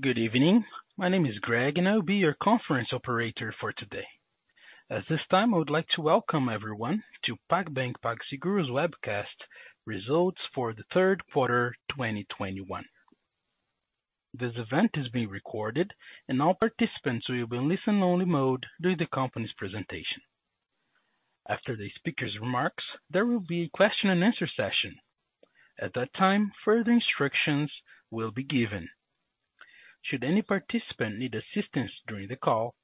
Good evening. My name is Greg, and I'll be your conference operator for today. At this time, I would like to welcome everyone to PagBank PagSeguro's Webcast Results for the Third Quarter 2021. This event is being recorded and all participants will be in listen-only mode during the company's presentation. After the speaker's remarks, there will be a question and answer session. At that time, further instructions will be given. Should any participant need assistance during the call,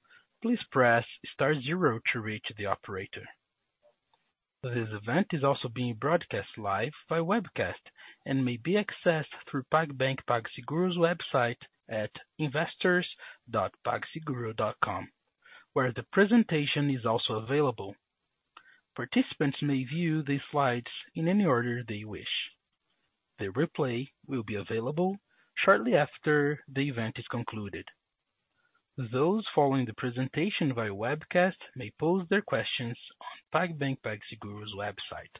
please press star zero to reach the operator. This event is also being broadcast live by webcast and may be accessed through PagBank PagSeguro's website at investors.pagseguro.com, where the presentation is also available. Participants may view these slides in any order they wish. The replay will be available shortly after the event is concluded. Those following the presentation via webcast may pose their questions on PagBank PagSeguro's website.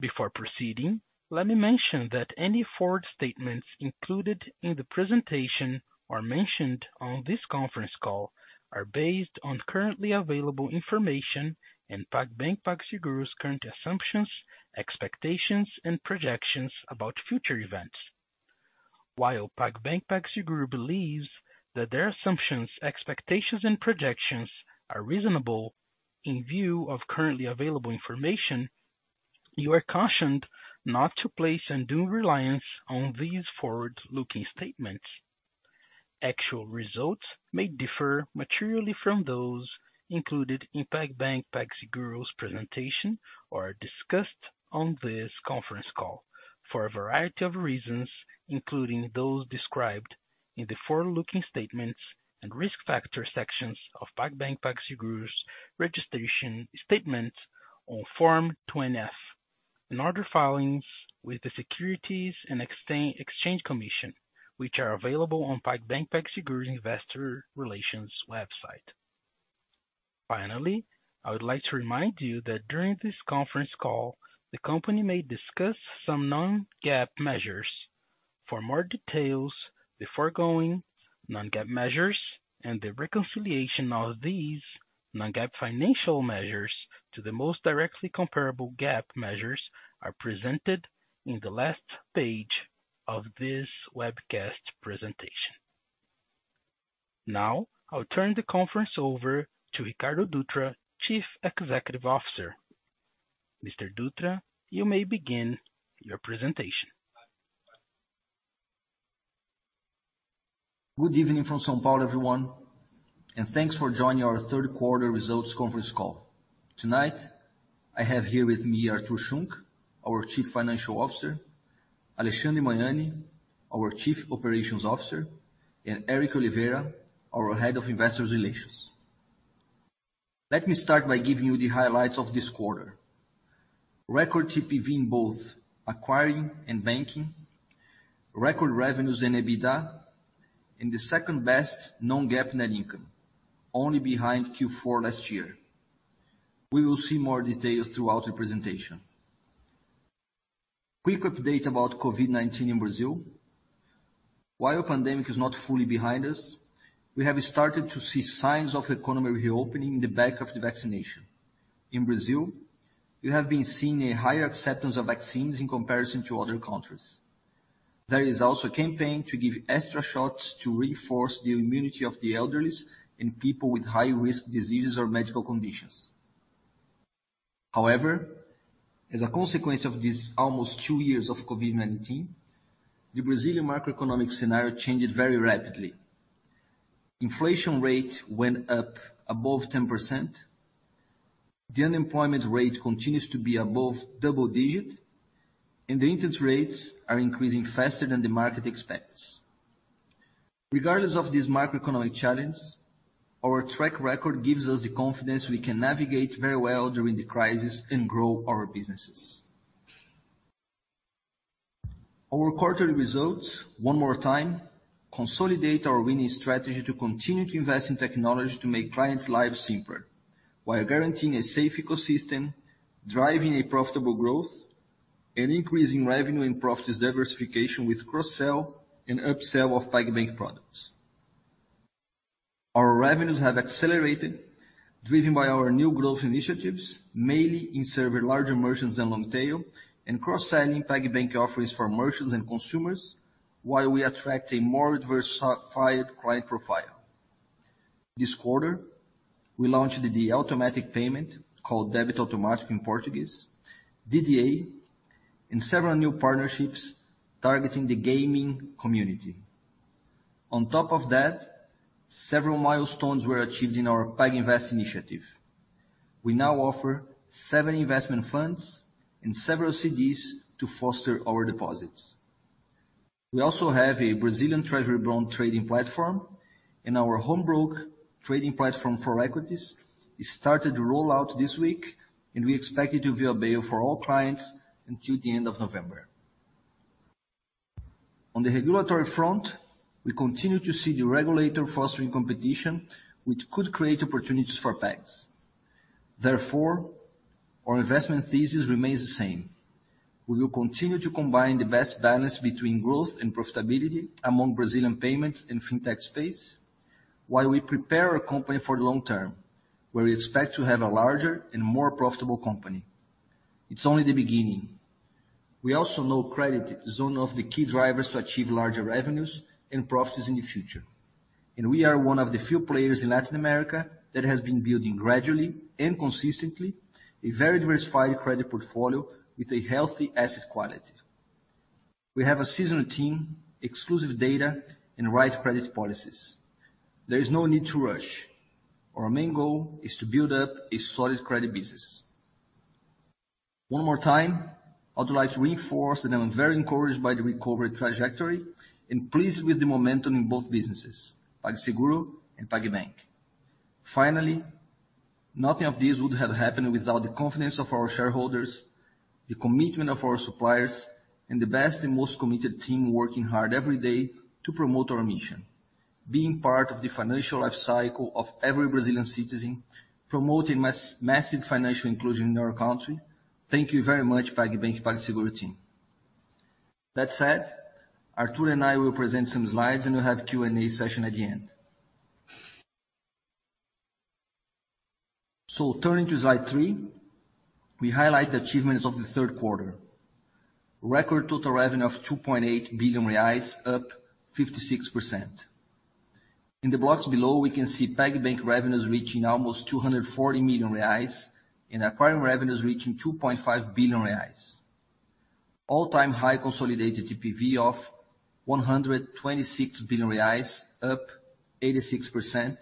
Before proceeding, let me mention that any forward statements included in the presentation or mentioned on this conference call are based on currently available information in PagBank PagSeguro's current assumptions, expectations, and projections about future events. While PagBank PagSeguro believes that their assumptions, expectations, and projections are reasonable in view of currently available information, you are cautioned not to place undue reliance on these forward-looking statements. Actual results may differ materially from those included in PagBank PagSeguro's presentation or discussed on this conference call for a variety of reasons, including those described in the forward-looking statements and risk factor sections of PagBank PagSeguro's registration statement on Form 20-F and other filings with the Securities and Exchange Commission, which are available on PagBank PagSeguro's Investor Relations website. Finally, I would like to remind you that during this conference call, the company may discuss some non-GAAP measures. For more details, the foregoing non-GAAP measures and the reconciliation of these non-GAAP financial measures to the most directly comparable GAAP measures are presented in the last page of this webcast presentation. Now, I'll turn the conference over to Ricardo Dutra, Chief Executive Officer. Mr. Dutra, you may begin your presentation. Good evening from São Paulo, everyone, and thanks for joining our third quarter results conference call. Tonight, I have here with me Artur Schunck, our Chief Financial Officer, Alexandre Magnani, our Chief Operations Officer, and Éric Oliveira, our Head of Investor Relations. Let me start by giving you the highlights of this quarter. Record TPV in both acquiring and banking, record revenues and EBITDA, and the second-best non-GAAP net income, only behind Q4 last year. We will see more details throughout the presentation. Quick update about COVID-19 in Brazil. While the pandemic is not fully behind us, we have started to see signs of economy reopening in the wake of the vaccination. In Brazil, we have been seeing a higher acceptance of vaccines in comparison to other countries. There is also a campaign to give extra shots to reinforce the immunity of the elderly and people with high-risk diseases or medical conditions. However, as a consequence of this almost two years of COVID-19, the Brazilian macroeconomic scenario changed very rapidly. Inflation rate went up above 10%. The unemployment rate continues to be above double digit, and the interest rates are increasing faster than the market expects. Regardless of this macroeconomic challenge, our track record gives us the confidence we can navigate very well during the crisis and grow our businesses. Our quarterly results, one more time, consolidate our winning strategy to continue to invest in technology to make clients' lives simpler while guaranteeing a safe ecosystem, driving a profitable growth, and increasing revenue and profits diversification with cross-sell and upsell of PagBank products. Our revenues have accelerated, driven by our new growth initiatives, mainly in serving larger merchants and long tail and cross-selling PagBank offerings for merchants and consumers while we attract a more diversified client profile. This quarter, we launched the automatic payment called débito automático in Portuguese, DDA, and several new partnerships targeting the gaming community. On top of that, several milestones were achieved in our PagInvest initiative. We now offer seven investment funds and several CDs to foster our deposits. We also have a Tesouro Direto trading platform, and our home broker trading platform for equities. It started to roll out this week, and we expect it to be available for all clients until the end of November. On the regulatory front, we continue to see the regulator fostering competition, which could create opportunities for PAGS. Therefore, our investment thesis remains the same. We will continue to combine the best balance between growth and profitability among Brazilian payments and fintech space while we prepare our company for the long term, where we expect to have a larger and more profitable company. It's only the beginning. We also know credit is one of the key drivers to achieve larger revenues and profits in the future. We are one of the few players in Latin America that has been building gradually and consistently a very diversified credit portfolio with a healthy asset quality. We have a seasoned team, exclusive data, and right credit policies. There is no need to rush. Our main goal is to build up a solid credit business. One more time, I would like to reinforce that I'm very encouraged by the recovery trajectory and pleased with the momentum in both businesses, PagSeguro and PagBank. Finally, nothing of this would have happened without the confidence of our shareholders, the commitment of our suppliers, and the best and most committed team working hard every day to promote our mission. Being part of the financial life cycle of every Brazilian citizen, promoting massive financial inclusion in our country. Thank you very much, PagBank, PagSeguro team. That said, Artur and I will present some slides, and we'll have Q&A session at the end. Turning to slide three, we highlight the achievements of the third quarter. Record total revenue of 2.8 billion reais, up 56%. In the blocks below, we can see PagBank revenues reaching almost 240 million reais and acquiring revenues reaching 2.5 billion reais. All-time high consolidated TPV of 126 billion reais, up 86%,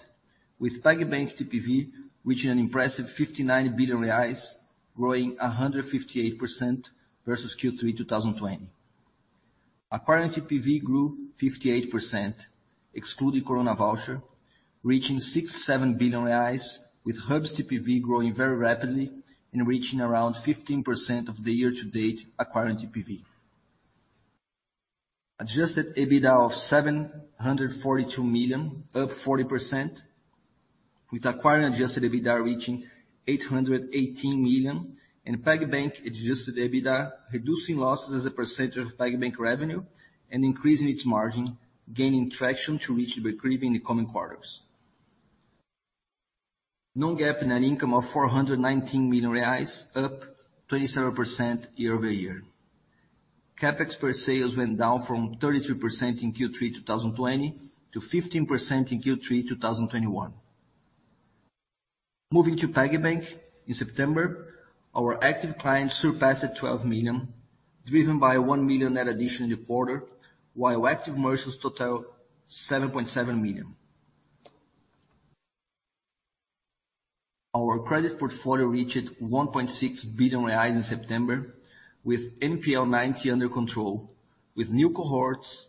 with PagBank TPV reaching an impressive 59 billion reais, growing 158% versus Q3 2020. Acquiring TPV grew 58%, excluding coronavoucher, reaching 67 billion reais, with Hubs TPV growing very rapidly and reaching around 15% of the year-to-date acquiring TPV. Adjusted EBITDA of 742 million, up 40%, with acquiring adjusted EBITDA reaching 818 million, and PagBank adjusted EBITDA reducing losses as a percentage of PagBank revenue and increasing its margin, gaining traction to reach break-even in the coming quarters. Non-GAAP net income of 419 million reais, up 27% year-over-year. CapEx per sales went down from 33% in Q3 2020 to 15% in Q3 2021. Moving to PagBank. In September, our active clients surpassed 12 million, driven by 1 million net addition in the quarter, while active merchants total 7.7 million. Our credit portfolio reached 1.6 billion reais in September, with NPL 90 under control, with new cohorts,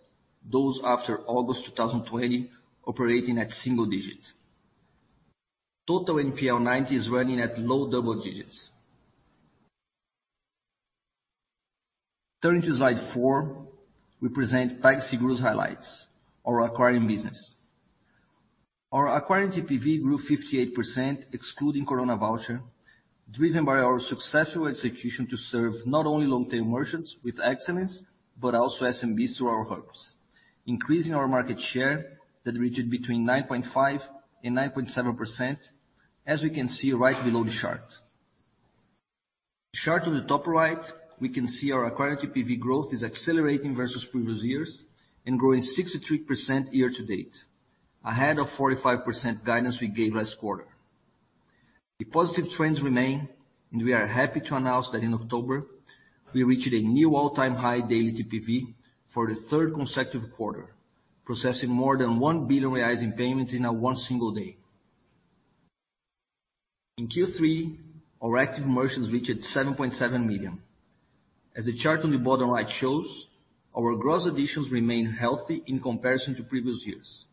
those after August 2020, operating at single digit. Total NPL 90 is running at low double digits. Turning to slide four, we present PagSeguro's highlights, our acquiring business. Our acquiring TPV grew 58%, excluding coronavoucher, driven by our successful execution to serve not only long-tail merchants with excellence, but also SMBs through our hubs, increasing our market share that reached between 9.5% and 9.7%, as we can see right below the chart. The chart on the top right, we can see our acquiring TPV growth is accelerating versus previous years and growing 63% year to date, ahead of 45% guidance we gave last quarter. The positive trends remain, and we are happy to announce that in October, we reached a new all-time high daily TPV for the third consecutive quarter, processing more than 1 billion reais in payments in one single day. In Q3, our active merchants reached 7.7 million. As the chart on the bottom right shows, our gross additions remain healthy in comparison to previous years.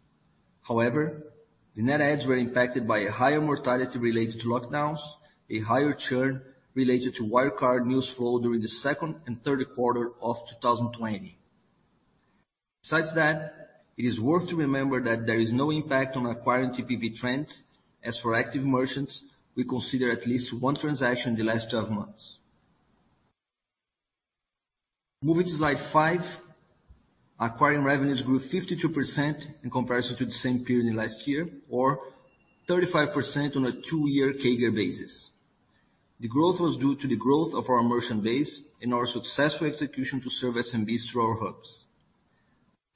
However, the net adds were impacted by a higher mortality related to lockdowns, a higher churn related to Wirecard news flow during the second and third quarter of 2020. Besides that, it is worth to remember that there is no impact on acquiring TPV trends. As for active merchants, we consider at least one transaction in the last 12 months. Moving to slide five. Acquiring revenues grew 52% in comparison to the same period in last year or 35% on a two-year CAGR basis. The growth was due to the growth of our merchant base and our successful execution to serve SMBs through our hubs.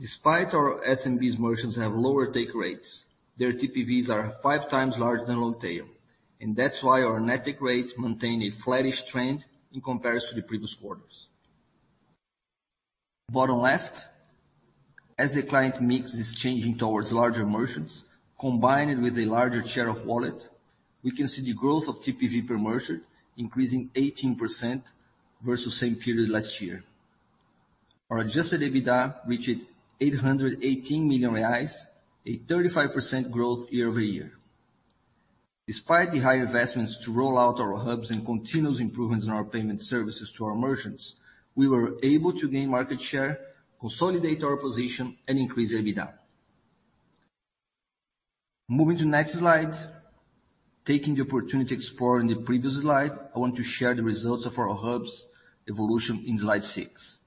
Despite our SMBs merchants have lower take rates, their TPVs are 5x larger than long tail, and that's why our net take rate maintain a flattish trend in comparison to the previous quarters. Bottom left. As the client mix is changing towards larger merchants, combined with a larger share of wallet, we can see the growth of TPV per merchant increasing 18% versus same period last year. Our adjusted EBITDA reached 818 million reais, a 35% growth year-over-year. Despite the high investments to roll out our hubs and continuous improvements in our payment services to our merchants, we were able to gain market share, consolidate our position, and increase EBITDA. Moving to the next slide. Taking the opportunity to explore in the previous slide, I want to share the results of our hubs evolution in slide six.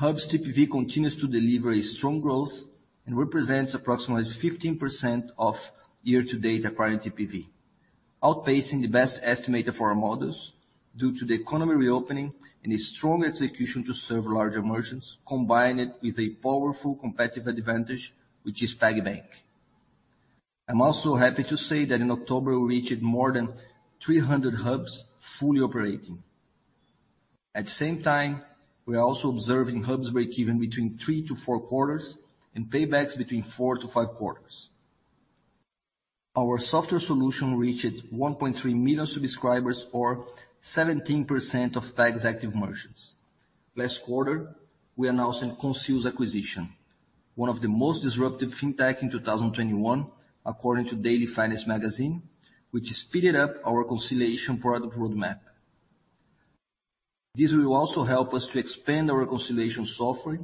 Hubs TPV continues to deliver a strong growth and represents approximately 15% of year-to-date acquiring TPV, outpacing the best estimates for our models due to the economy reopening and a strong execution to serve larger merchants, combined with a powerful competitive advantage, which is PagBank. I'm also happy to say that in October, we reached more than 300 hubs fully operating. At the same time, we are also observing hubs breakeven between three to four quarters and paybacks between four to five quarters. Our software solution reached 1.3 million subscribers or 17% of Pag's active merchants. Last quarter, we announced a Concil acquisition, one of the most disruptive fintech in 2021, according to Distrito Fintech, which sped up our reconciliation product roadmap. This will also help us to expand our reconciliation software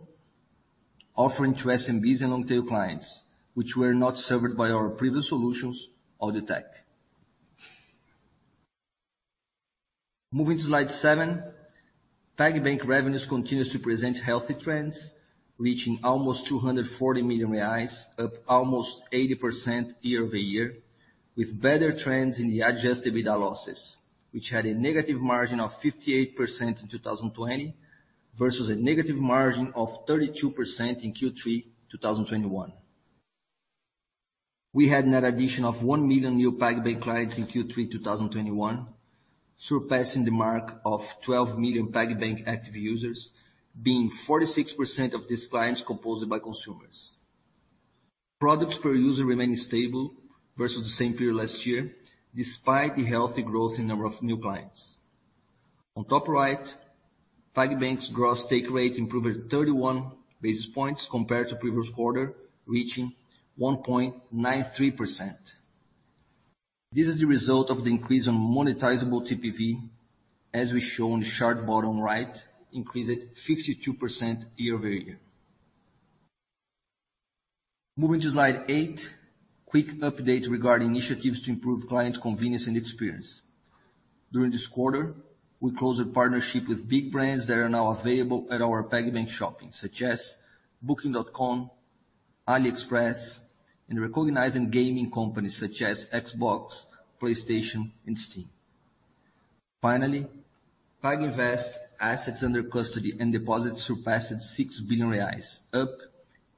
offering to SMBs and long-tail clients, which were not served by our previous solutions or the tech. Moving to slide seven. PagBank revenues continues to present healthy trends, reaching almost 240 million reais, up almost 80% year-over-year, with better trends in the adjusted EBITDA losses, which had a negative margin of 58% in 2020 versus a negative margin of 32% in Q3 2021. We had net addition of 1 million new PagBank clients in Q3 2021, surpassing the mark of 12 million PagBank active users, 46% of these clients being composed by consumers. Products per user remain stable versus the same period last year, despite the healthy growth in number of new clients. On top right, PagBank's gross take rate improved 31 basis points compared to previous quarter, reaching 1.93%. This is the result of the increase on monetizable TPV as we show on the chart bottom right, increased 52% year-over-year. Moving to slide eight, quick update regarding initiatives to improve client convenience and experience. During this quarter, we closed a partnership with big brands that are now available at our PagBank shopping, such as booking.com, AliExpress, and including gaming companies such as Xbox, PlayStation, and Steam. Finally, PagInvest assets under custody and deposits surpassed 6 billion reais, up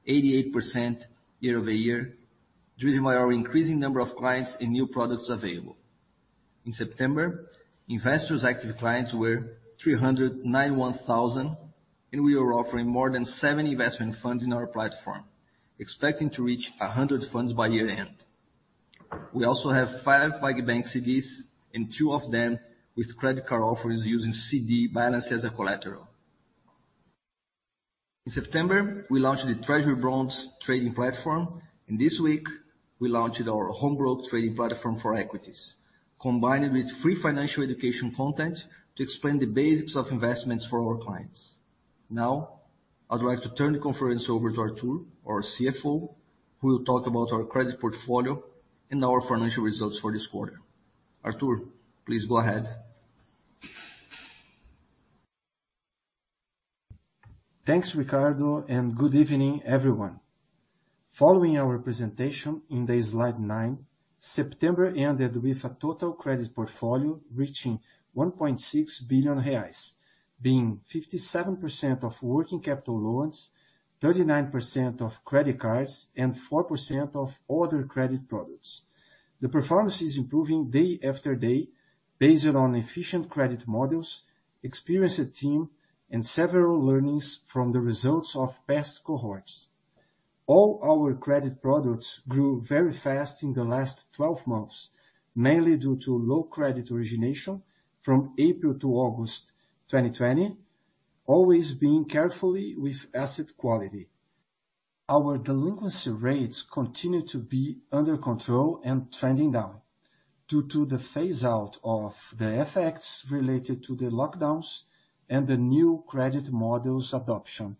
88% year-over-year, driven by our increasing number of clients and new products available. In September, investors' active clients were 391,000, and we are offering more than 7 investment funds in our platform, expecting to reach 100 funds by year-end. We also have five PagBank CDs and two of them with credit card offerings using CD balance as a collateral. In September, we launched the Treasury Bonds trading platform. This week, we launched our home broker trading platform for equities, combined with free financial education content to explain the basics of investments for our clients. Now, I'd like to turn the conference over to Artur, our CFO, who will talk about our credit portfolio and our financial results for this quarter. Artur, please go ahead. Thanks, Ricardo, and good evening, everyone. Following our presentation in the slide nine, September ended with a total credit portfolio reaching 1.6 billion reais, being 57% of working capital loans, 39% of credit cards, and 4% of other credit products. The performance is improving day after day based on efficient credit models, experienced team, and several learnings from the results of past cohorts. All our credit products grew very fast in the last 12 months, mainly due to low credit origination from April to August 2020, always being careful with asset quality. Our delinquency rates continue to be under control and trending down due to the phase out of the effects related to the lockdowns and the new credit models adoption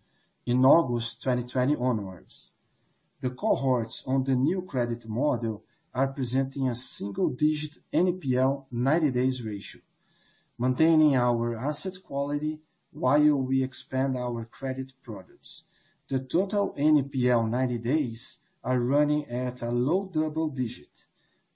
in August 2020 onwards. The cohorts on the new credit model are presenting a single-digit NPL 90-day ratio, maintaining our asset quality while we expand our credit products. The total NPL 90 days are running at a low double-digit.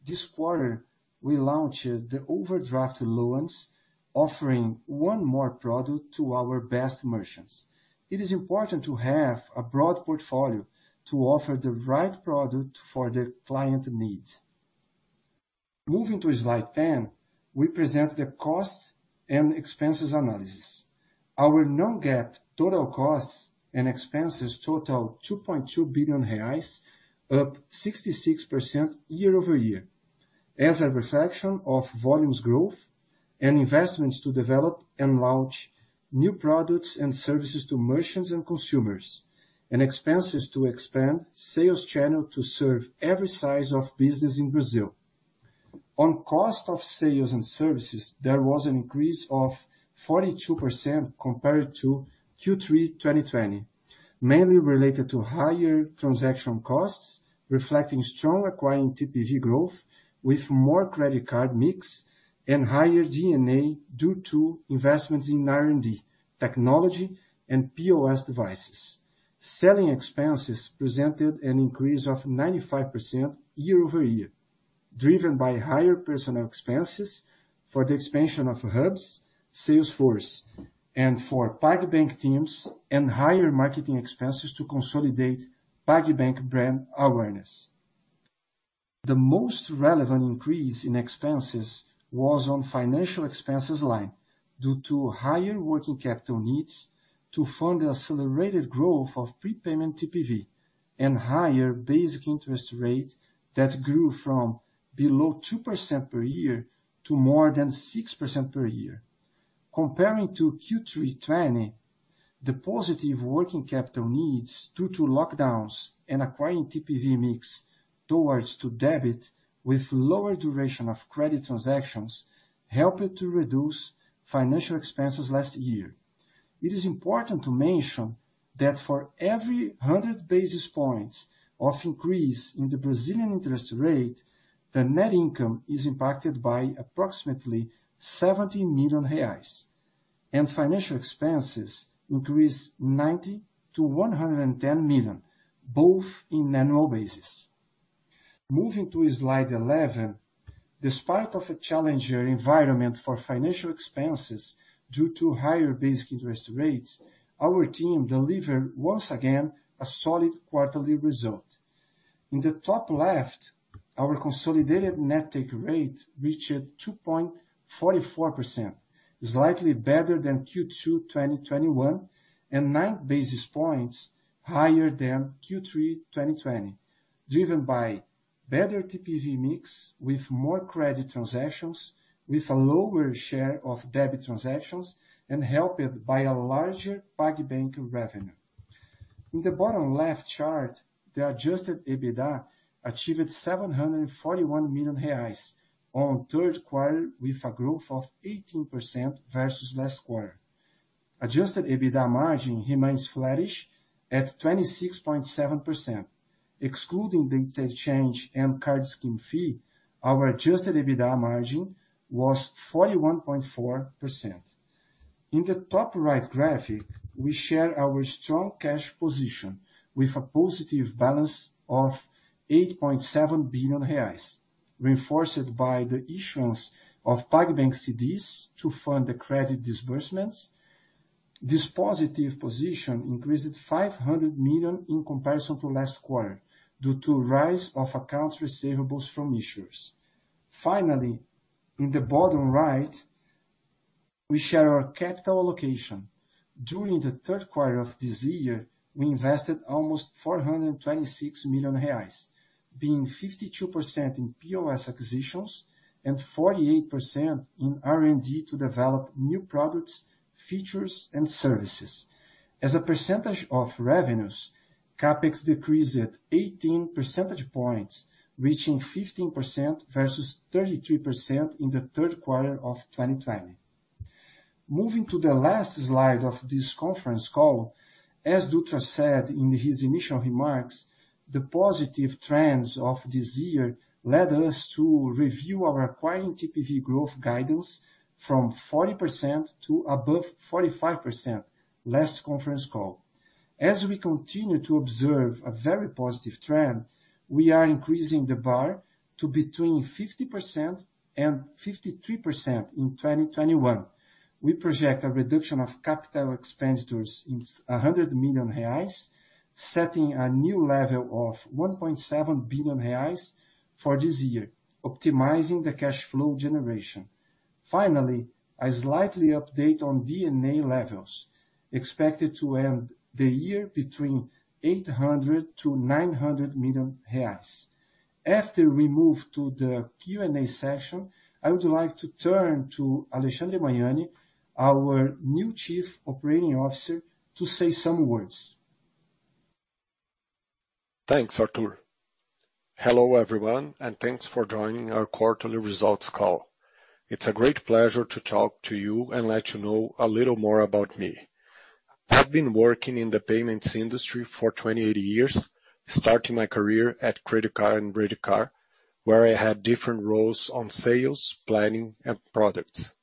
This quarter, we launched the overdraft loans offering one more product to our best merchants. It is important to have a broad portfolio to offer the right product for the client need. Moving to slide 10, we present the costs and expenses analysis. Our non-GAAP total costs and expenses total 2.2 billion reais, up 66% year-over-year. As a reflection of volumes growth and investments to develop and launch new products and services to merchants and consumers, and expenses to expand sales channel to serve every size of business in Brazil. On cost of sales and services, there was an increase of 42% compared to Q3 2020, mainly related to higher transaction costs, reflecting strong acquiring TPV growth with more credit card mix and higher D&A due to investments in R&D, technology and POS devices. Selling expenses presented an increase of 95% year-over-year, driven by higher personnel expenses for the expansion of hubs, sales force, and for PagBank teams and higher marketing expenses to consolidate PagBank brand awareness. The most relevant increase in expenses was on financial expenses line due to higher working capital needs to fund the accelerated growth of prepayment TPV and higher basic interest rate that grew from below 2% per year to more than 6% per year. Compared to Q3 2020, the positive working capital needs due to lockdowns and acquiring TPV mix towards debit with lower duration of credit transactions helped to reduce financial expenses last year. It is important to mention that for every 100 basis points of increase in the Brazilian interest rate, the net income is impacted by approximately 70 million reais, and financial expenses increase 90 million-110 million, both on an annual basis. Moving to slide 11, despite a challenging environment for financial expenses due to higher basic interest rates, our team delivered once again a solid quarterly result. In the top left, our consolidated net take rate reached 2.44%, slightly better than Q2 2021 and 9 basis points higher than Q3 2020, driven by better TPV mix with more credit transactions, with a lower share of debit transactions, and helped by a larger PagBank revenue. In the bottom left chart, the adjusted EBITDA achieved 741 million reais on third quarter with a growth of 18% versus last quarter. Adjusted EBITDA margin remains flattish at 26.7%. Excluding the interchange and card scheme fee, our adjusted EBITDA margin was 41.4%. In the top right graphic, we share our strong cash position with a positive balance of 8.7 billion reais, reinforced by the issuance of PagBank CDs to fund the credit disbursements. This positive position increased 500 million in comparison to last quarter due to rise of accounts receivables from issuers. Finally, in the bottom right, we share our capital allocation. During the third quarter of this year, we invested almost 426 million reais, being 52% in POS acquisitions and 48% in R&D to develop new products, features, and services. As a percentage of revenues, CapEx decreased 18 percentage points, reaching 15% versus 33% in the third quarter of 2020. Moving to the last slide of this conference call, as Dutra said in his initial remarks, the positive trends of this year led us to review our acquiring TPV growth guidance from 40% to above 45% last conference call. As we continue to observe a very positive trend, we are increasing the bar to between 50% and 53% in 2021. We project a reduction of capital expenditures in 100 million reais, setting a new level of 1.7 billion reais for this year, optimizing the cash flow generation. Finally, a slight update on D&A levels, expected to end the year between 800 million-900 million reais. After we move to the Q&A session, I would like to turn to Alexandre Magnani, our new Chief Operating Officer, to say some words. Thanks, Artur. Hello, everyone, and thanks for joining our quarterly results call. It's a great pleasure to talk to you and let you know a little more about me. I've been working in the payments industry for 28 years, starting my career at Credicard and Redecard, where I had different roles on sales, planning, and products.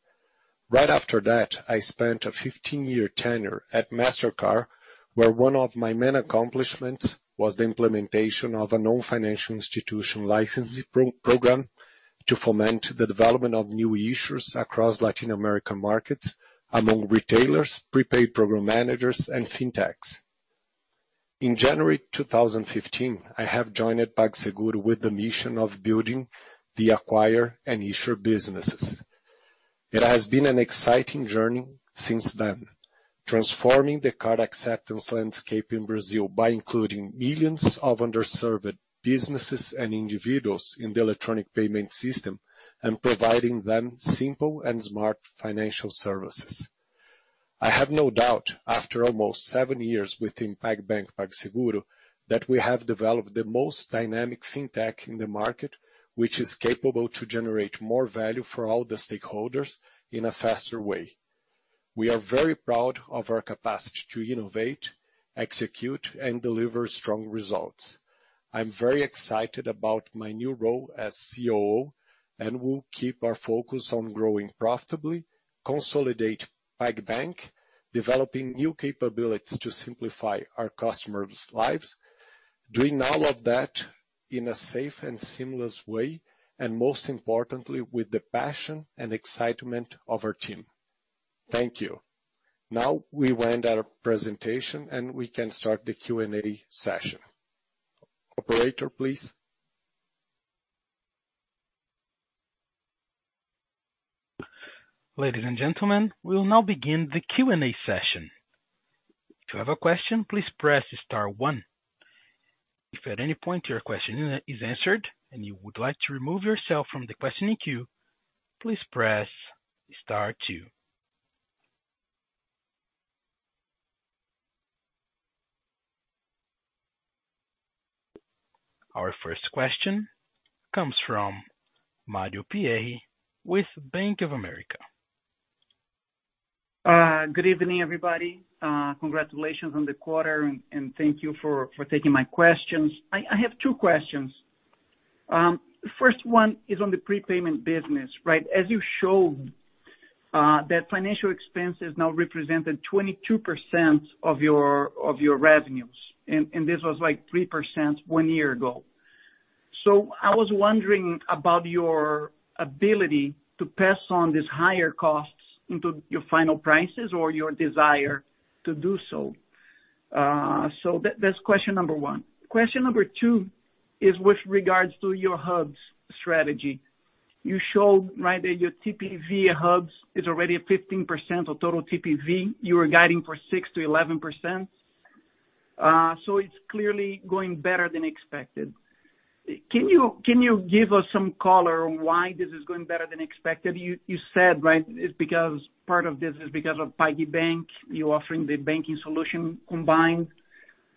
Right after that, I spent a 15-year tenure at Mastercard, where one of my main accomplishments was the implementation of a non-financial institution licensing pro-program to foment the development of new issuers across Latin American markets among retailers, prepaid program managers, and fintechs. In January 2015, I have joined PagSeguro with the mission of building the acquirer and issuer businesses. It has been an exciting journey since then, transforming the card acceptance landscape in Brazil by including millions of underserved businesses and individuals in the electronic payment system and providing them simple and smart financial services. I have no doubt, after almost seven years within PagBank PagSeguro, that we have developed the most dynamic fintech in the market, which is capable to generate more value for all the stakeholders in a faster way. We are very proud of our capacity to innovate, execute, and deliver strong results. I'm very excited about my new role as COO, and will keep our focus on growing profitably, consolidate PagBank, developing new capabilities to simplify our customers' lives, doing all of that in a safe and seamless way, and most importantly, with the passion and excitement of our team. Thank you. Now, we will end our presentation, and we can start the Q&A session. Operator, please. Ladies and gentlemen, we will now begin the Q&A session. If you have a question, please press star one. If at any point your question is answered and you would like to remove yourself from the questioning queue, please press star two. Our first question comes from Mario Pierry with Bank of America. Good evening, everybody. Congratulations on the quarter, and thank you for taking my questions. I have two questions. First one is on the prepayment business, right? As you showed, that financial expenses now represented 22% of your revenues, and this was, like, 3% 1 year ago. So I was wondering about your ability to pass on these higher costs into your final prices or your desire to do so. So that's question number one. Question number two is with regards to your hubs strategy. You showed right there, your TPV hubs is already at 15% of total TPV. You were guiding for 6%-11%. So it's clearly going better than expected. Can you give us some color on why this is going better than expected? You said, right, it's because part of this is because of PagBank. You're offering the banking solution combined.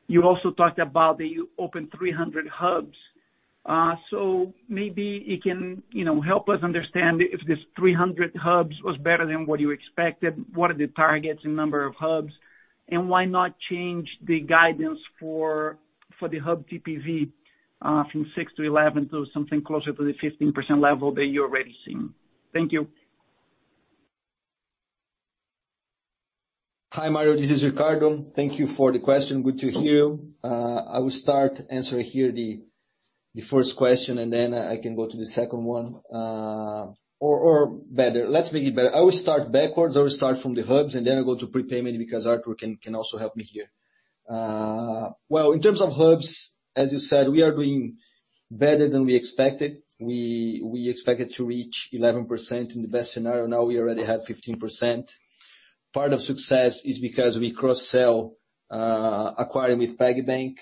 You also talked about that you opened 300 hubs. So maybe you can, you know, help us understand if this 300 hubs was better than what you expected, what are the targets in number of hubs, and why not change the guidance for the hub TPV from 6% to 11% to something closer to the 15% level that you're already seeing? Thank you. Hi, Mario. This is Ricardo. Thank you for the question. Good to hear you. I will start answering here the first question, and then I can go to the second one, or better. Let's make it better. I will start backwards. I will start from the hubs, and then I'll go to prepayment because Artur can also help me here. Well, in terms of hubs, as you said, we are doing better than we expected. We expected to reach 11% in the best scenario. Now we already have 15%. Part of success is because we cross-sell acquiring with PagBank.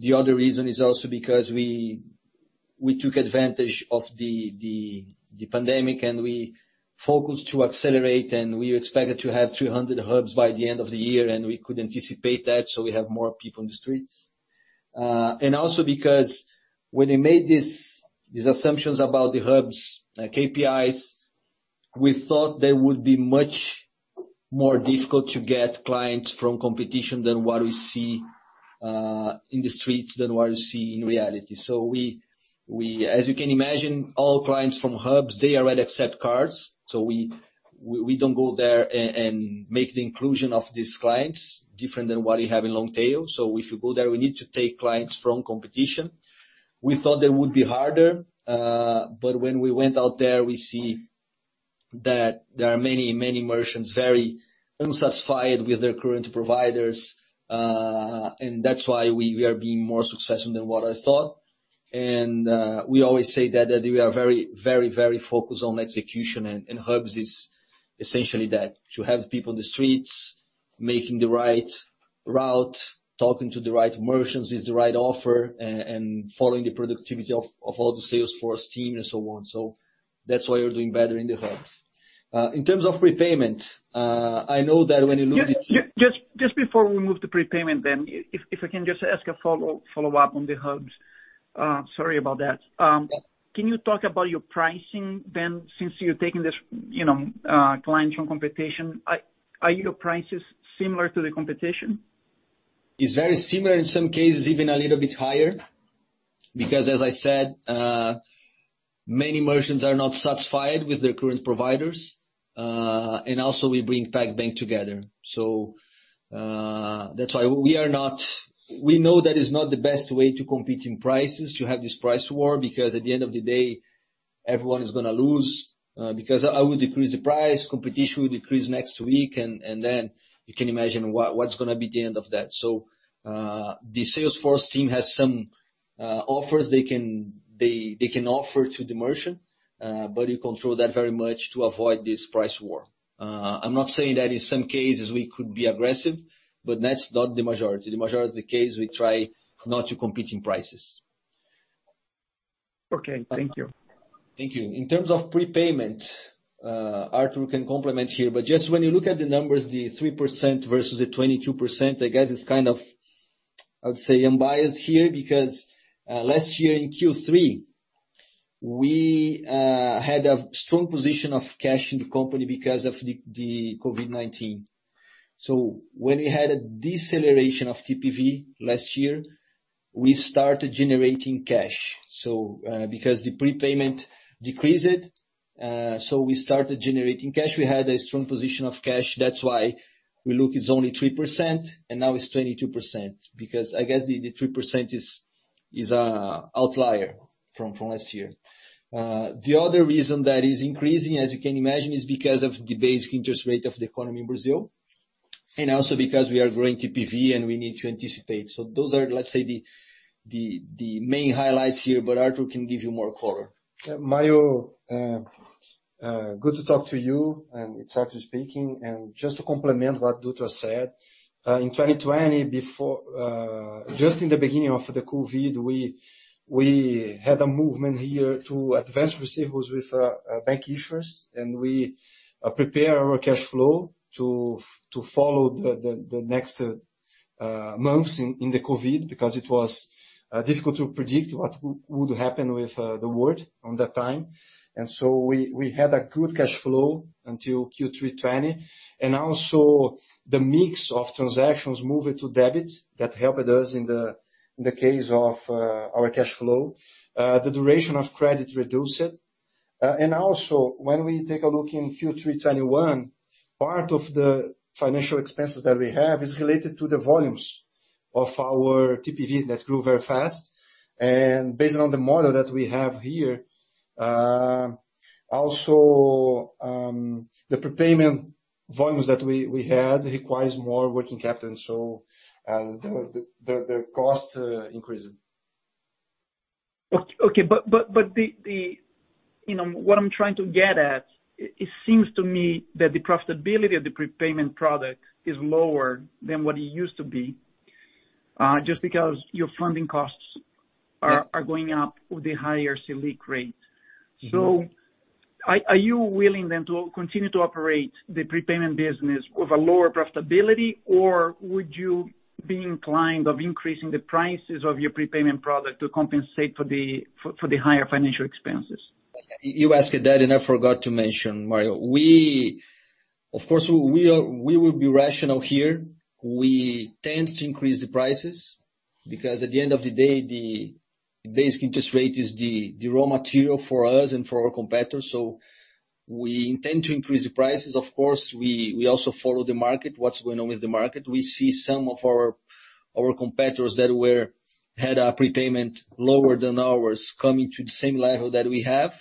The other reason is also because we took advantage of the pandemic and we focused to accelerate, and we expected to have 300 hubs by the end of the year, and we could anticipate that, so we have more people in the streets. And also because when we made these assumptions about the hubs, like KPIs, we thought they would be much more difficult to get clients from competition than what we see in the streets than what we see in reality. As you can imagine, all clients from hubs, they already accept cards, so we don't go there and make the inclusion of these clients different than what you have in long tail. If you go there, we need to take clients from competition. We thought they would be harder, but when we went out there, we see that there are many, many merchants very unsatisfied with their current providers. That's why we are being more successful than what I thought. We always say that we are very, very, very focused on execution, and hubs is essentially that. To have people in the streets making the right route, talking to the right merchants with the right offer, and following the productivity of all the sales force team and so on. That's why we're doing better in the hubs. In terms of prepayment, I know that when you look at- Just before we move to prepayment, then if I can just ask a follow-up on the hubs. Sorry about that. Can you talk about your pricing then, since you're taking this, you know, clients from competition, are your prices similar to the competition? It's very similar. In some cases, even a little bit higher. As I said, many merchants are not satisfied with their current providers. We bring PagBank together. That's why we know that it's not the best way to compete in prices, to have this price war, because at the end of the day, everyone is gonna lose. Because I will decrease the price, competition will decrease next week, and then you can imagine what's gonna be the end of that. The salesforce team has some offers they can offer to the merchant, but you control that very much to avoid this price war. I'm not saying that in some cases we could be aggressive, but that's not the majority. The majority of cases, we try not to compete in prices. Okay, thank you. Thank you. In terms of prepayment, Artur can complement here, but just when you look at the numbers, the 3% versus the 22%, I guess it's kind of, I would say unbiased here, because last year in Q3 we had a strong position of cash in the company because of the COVID-19. When we had a deceleration of TPV last year, we started generating cash. Because the prepayment decreased, we started generating cash. We had a strong position of cash. That's why we look it's only 3% and now it's 22%, because I guess the 3% is a outlier from last year. The other reason that is increasing, as you can imagine, is because of the basic interest rate of the economy in Brazil, and also because we are growing TPV and we need to anticipate. Those are, let's say, the main highlights here, but Artur can give you more color. Mario, good to talk to you. It's Artur speaking. Just to complement what Dutra said, in 2020, just in the beginning of the COVID, we had a movement here to advance receivables with bank issuers, and we prepare our cash flow to follow the next months in the COVID, because it was difficult to predict what would happen with the world on that time. We had a good cash flow until Q3 2020. Also the mix of transactions moving to debit, that helped us in the case of our cash flow. The duration of credit reduced. When we take a look in Q3 2021, part of the financial expenses that we have is related to the volumes of our TPV that grew very fast. Based on the model that we have here, the prepayment volumes that we had requires more working capital. The cost increases. Okay, but you know, what I'm trying to get at, it seems to me that the profitability of the prepayment product is lower than what it used to be, just because your funding costs are going up with the higher Selic rate. Mm-hmm. Are you willing then to continue to operate the prepayment business with a lower profitability, or would you be inclined of increasing the prices of your prepayment product to compensate for the higher financial expenses? You asked that, and I forgot to mention, Mario. Of course, we will be rational here. We tend to increase the prices because at the end of the day, the basic interest rate is the raw material for us and for our competitors. We intend to increase the prices. Of course, we also follow the market. What's going on with the market. We see some of our competitors that had a prepayment lower than ours coming to the same level that we have.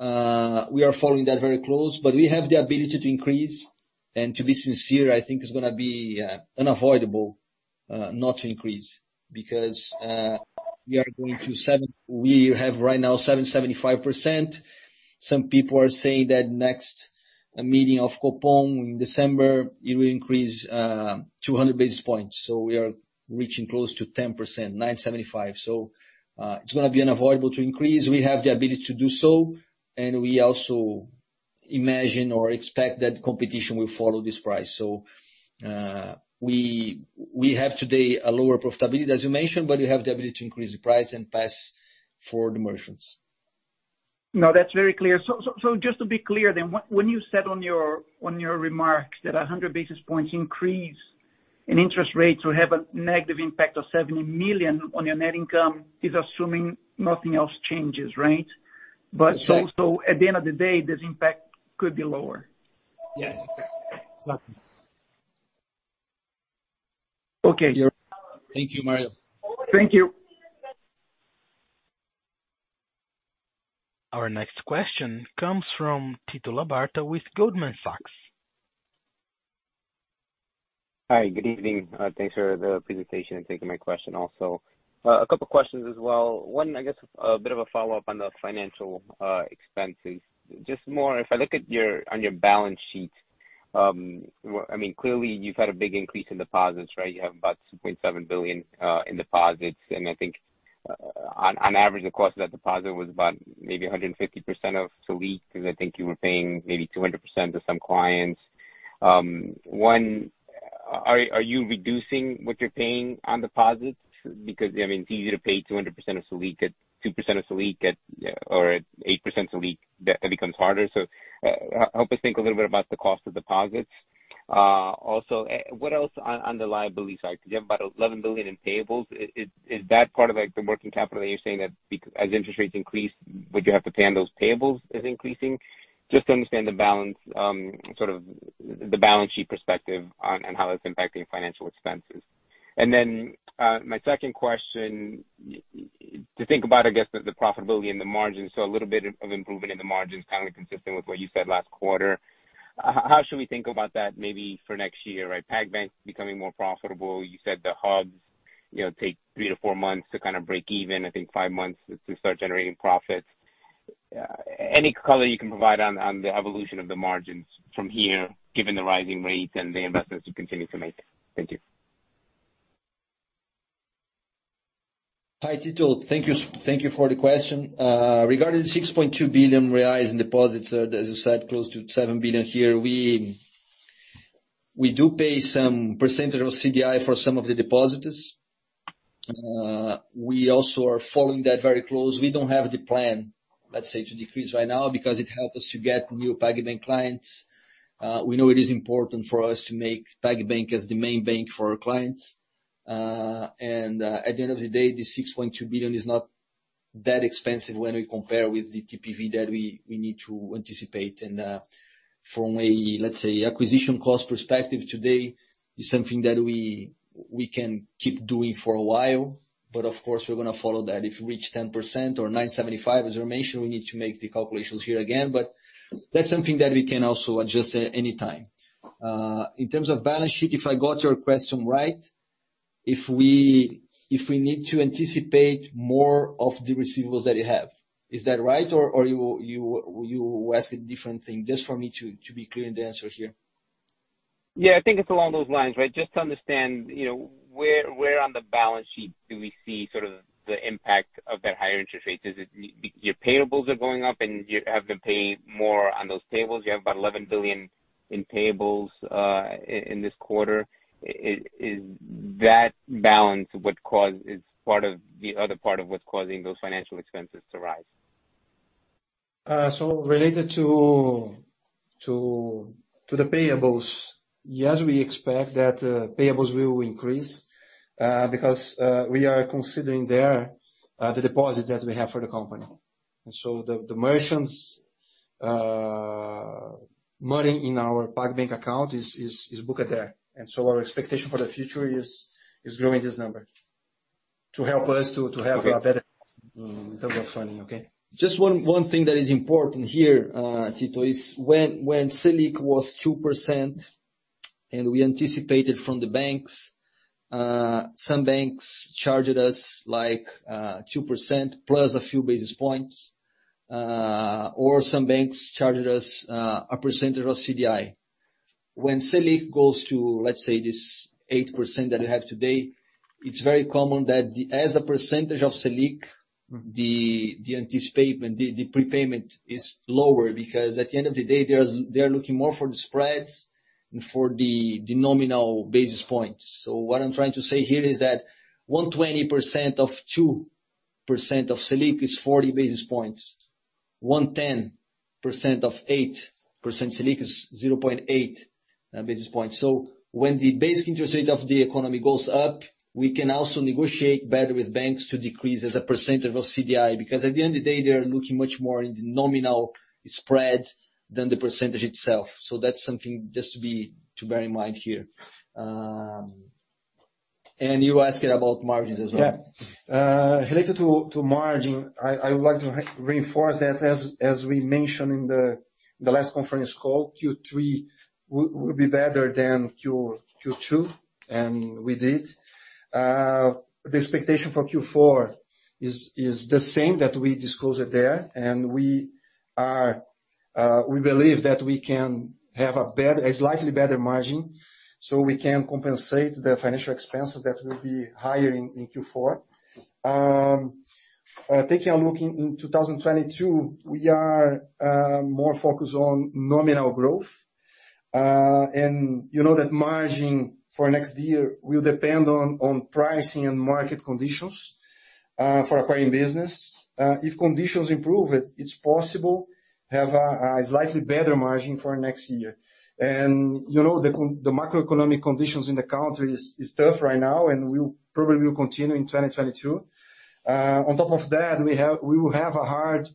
We are following that very close, but we have the ability to increase. To be sincere, I think it's gonna be unavoidable not to increase because we have right now 7.75%. Some people are saying that next meeting of Copom in December, it will increase 200 basis points. We are reaching close to 10%, 9.75%. It's gonna be unavoidable to increase. We have the ability to do so, and we also imagine or expect that competition will follow this price. We have today a lower profitability, as you mentioned, but we have the ability to increase the price and pass for the merchants. No, that's very clear. Just to be clear then, when you said on your remarks that 100 basis points increase in interest rates will have a negative impact of 70 million on your net income is assuming nothing else changes, right? Exactly. At the end of the day, this impact could be lower. Yes, exactly. Exactly. Okay. Thank you, Mario. Thank you. Our next question comes from Tito Labarta with Goldman Sachs. Hi, good evening. Thanks for the presentation and taking my question also. A couple questions as well. One, I guess a bit of a follow-up on the financial expenses. Just more if I look at your on your balance sheet, I mean, clearly you've had a big increase in deposits, right? You have about 2.7 billion in deposits. I think on average, the cost of that deposit was about maybe 150% of Selic, because I think you were paying maybe 200% to some clients. One, are you reducing what you're paying on deposits? Because, I mean, it's easy to pay 200% of Selic at 2% Selic, or at 8% Selic, that becomes harder. Help us think a little bit about the cost of deposits. Also, and what else on the liability side, because you have about 11 billion in payables. Is that part of, like, the working capital that you're saying that as interest rates increase, would you have to pay on those payables is increasing? Just to understand the balance sheet perspective on how that's impacting financial expenses. My second question, to think about, I guess, the profitability and the margins. A little bit of improvement in the margins, kind of consistent with what you said last quarter. How should we think about that maybe for next year, right? PagBank is becoming more profitable. You said the hubs, you know, take three to four months to kind of break even, I think five months to start generating profits. Any color you can provide on the evolution of the margins from here, given the rising rates and the investments you continue to make? Thank you. Hi, Tito. Thank you for the question. Regarding 6.2 billion reais in deposits, as you said, close to 7 billion here, we do pay some percentage of CDI for some of the depositors. We also are following that very close. We don't have the plan, let's say, to decrease right now because it helps us to get new PagBank clients. We know it is important for us to make PagBank as the main bank for our clients. At the end of the day, this 6.2 billion is not that expensive when we compare with the TPV that we need to anticipate. From a, let's say, acquisition cost perspective today, it's something that we can keep doing for a while, but of course we're gonna follow that. If it reach 10% or 9.75%, as you mentioned, we need to make the calculations here again. That's something that we can also adjust at any time. In terms of balance sheet, if I got your question right, if we need to anticipate more of the receivables that you have. Is that right? Or you asking different thing? Just for me to be clear in the answer here. Yeah. I think it's along those lines, right? Just to understand, you know, where on the balance sheet do we see sort of the impact of that higher interest rates? Is it your payables are going up and you have been paying more on those payables? You have about 11 billion in payables in this quarter. Is that balance part of the other part of what's causing those financial expenses to rise? Related to the payables, yes, we expect that payables will increase because we are considering there the deposit that we have for the company. The merchants money in our PagBank account is booked there. Our expectation for the future is growing this number to help us to have- Okay. Have a better in terms of funding, okay? Just one thing that is important here, Tito, is when Selic was 2% and we anticipated from the banks, some banks charged us like 2% plus a few basis points, or some banks charged us a percentage of CDI. When Selic goes to, let's say, this 8% that we have today, it's very common that as a percentage of Selic, the anticipation, the prepayment is lower because at the end of the day they are looking more for the spreads and for the nominal basis points. So what I'm trying to say here is that 120% of 2% of Selic is 40 basis points. 110% of 8% Selic is 0.8 basis points. When the basic interest rate of the economy goes up, we can also negotiate better with banks to decrease as a percentage of CDI, because at the end of the day, they are looking much more in the nominal spread than the percentage itself. That's something just to bear in mind here. You asking about margins as well. Yeah. Related to margin, I would like to reinforce that as we mentioned in the last conference call, Q3 will be better than Q2, and we did. The expectation for Q4 is the same that we disclosed there, and we believe that we can have a slightly better margin, so we can compensate the financial expenses that will be higher in Q4. Taking a look in 2022, we are more focused on nominal growth. You know that margin for next year will depend on pricing and market conditions for acquiring business. If conditions improve, it's possible have a slightly better margin for next year. You know the macroeconomic conditions in the country is tough right now and will probably continue in 2022. On top of that, we will have a hard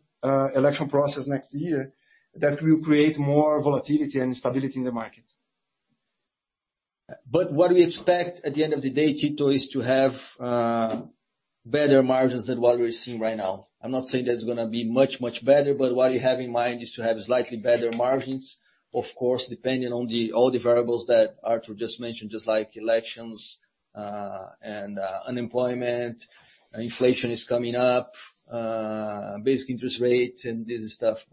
election process next year that will create more volatility and stability in the market. What we expect at the end of the day, Tito, is to have better margins than what we're seeing right now. I'm not saying that's gonna be much better, but what you have in mind is to have slightly better margins. Of course, depending on all the variables that Artur just mentioned, just like elections and unemployment, inflation is coming up, basic interest rates, and this stuff.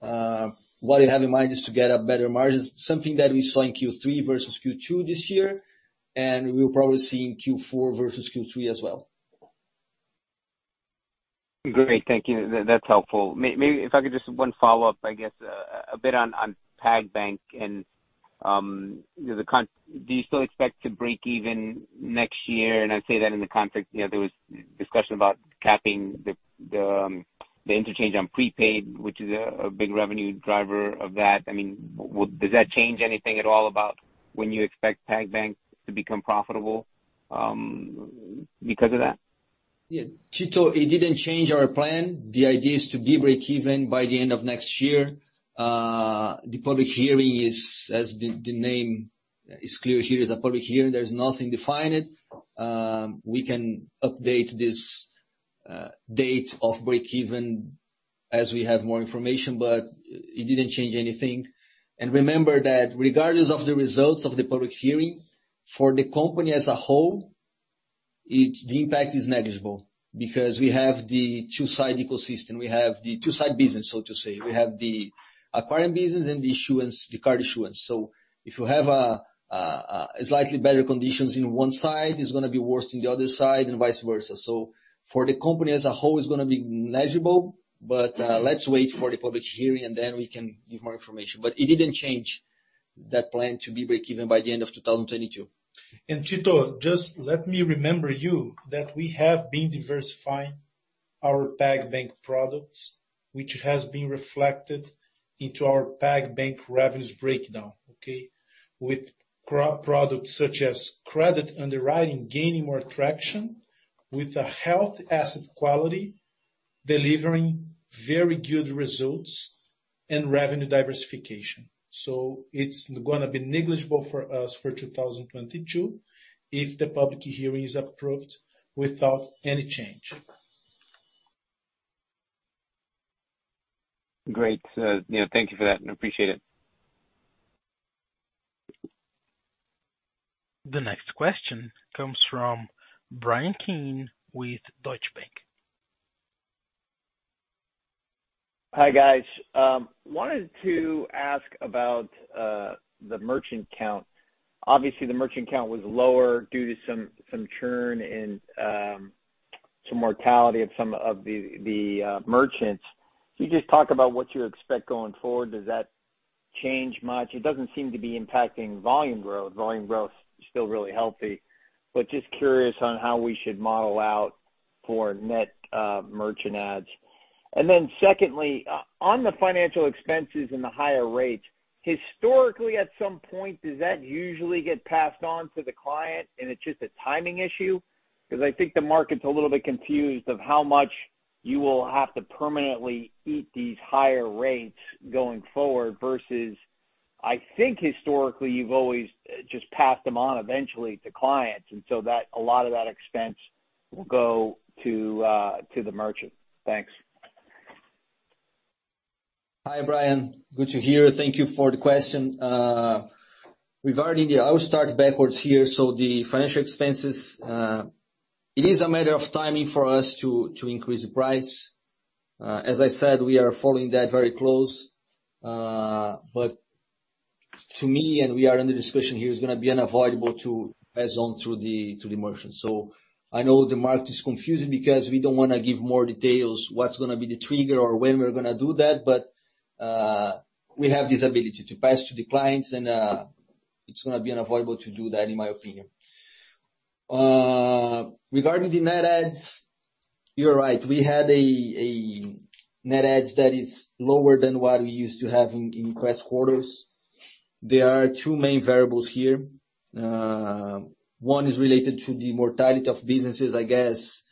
What you have in mind is to get a better margins, something that we saw in Q3 versus Q2 this year, and we'll probably see in Q4 versus Q3 as well. Great. Thank you. That's helpful. Maybe if I could just one follow-up, I guess, a bit on PagBank. Do you still expect to break even next year? I say that in the context, you know, there was discussion about capping the interchange on prepaid, which is a big revenue driver of that. I mean, does that change anything at all about when you expect PagBank to become profitable, because of that? Yeah. Tito, it didn't change our plan. The idea is to be breakeven by the end of next year. The public hearing is, as the name is clear here, a public hearing. There's nothing defined. We can update this date of breakeven as we have more information, but it didn't change anything. Remember that regardless of the results of the public hearing, for the company as a whole, the impact is negligible because we have the two-side ecosystem. We have the two-side business, so to say. We have the acquiring business and the issuance, the card issuance. So if you have a slightly better conditions in one side, it's gonna be worse in the other side and vice versa. For the company as a whole, it's gonna be negligible, but let's wait for the public hearing and then we can give more information. It didn't change that plan to be breakeven by the end of 2022. Tito, just let me remind you that we have been diversifying our PagBank products, which has been reflected in our PagBank revenues breakdown, okay? With products such as credit underwriting gaining more traction with the healthy asset quality, delivering very good results and revenue diversification. It's gonna be negligible for us for 2022 if the public hearing is approved without any change. Great. Yeah, thank you for that, and appreciate it. The next question comes from Bryan Keane with Deutsche Bank. Hi, guys. Wanted to ask about the merchant count. Obviously, the merchant count was lower due to some churn and some mortality of some of the merchants. Can you just talk about what you expect going forward? Does that change much? It doesn't seem to be impacting volume growth. Volume growth is still really healthy. Just curious on how we should model out for net merchant adds. Then secondly, on the financial expenses and the higher rates, historically, at some point, does that usually get passed on to the client and it's just a timing issue? Because I think the market's a little bit confused about how much you will have to permanently eat these higher rates going forward versus I think historically you've always just passed them on eventually to clients, and so a lot of that expense will go to the merchant. Thanks. Hi, Brian. Good to hear. Thank you for the question. I will start backwards here. The financial expenses, it is a matter of timing for us to increase the price. As I said, we are following that very close. To me, and we are under discussion here, it's gonna be unavoidable to pass on to the merchants. I know the market is confusing because we don't wanna give more details, what's gonna be the trigger or when we're gonna do that. We have this ability to pass to the clients and it's gonna be unavoidable to do that, in my opinion. Regarding the net adds, you're right. We had a net adds that is lower than what we used to have in past quarters. There are two main variables here. One is related to the mortality of businesses. I guess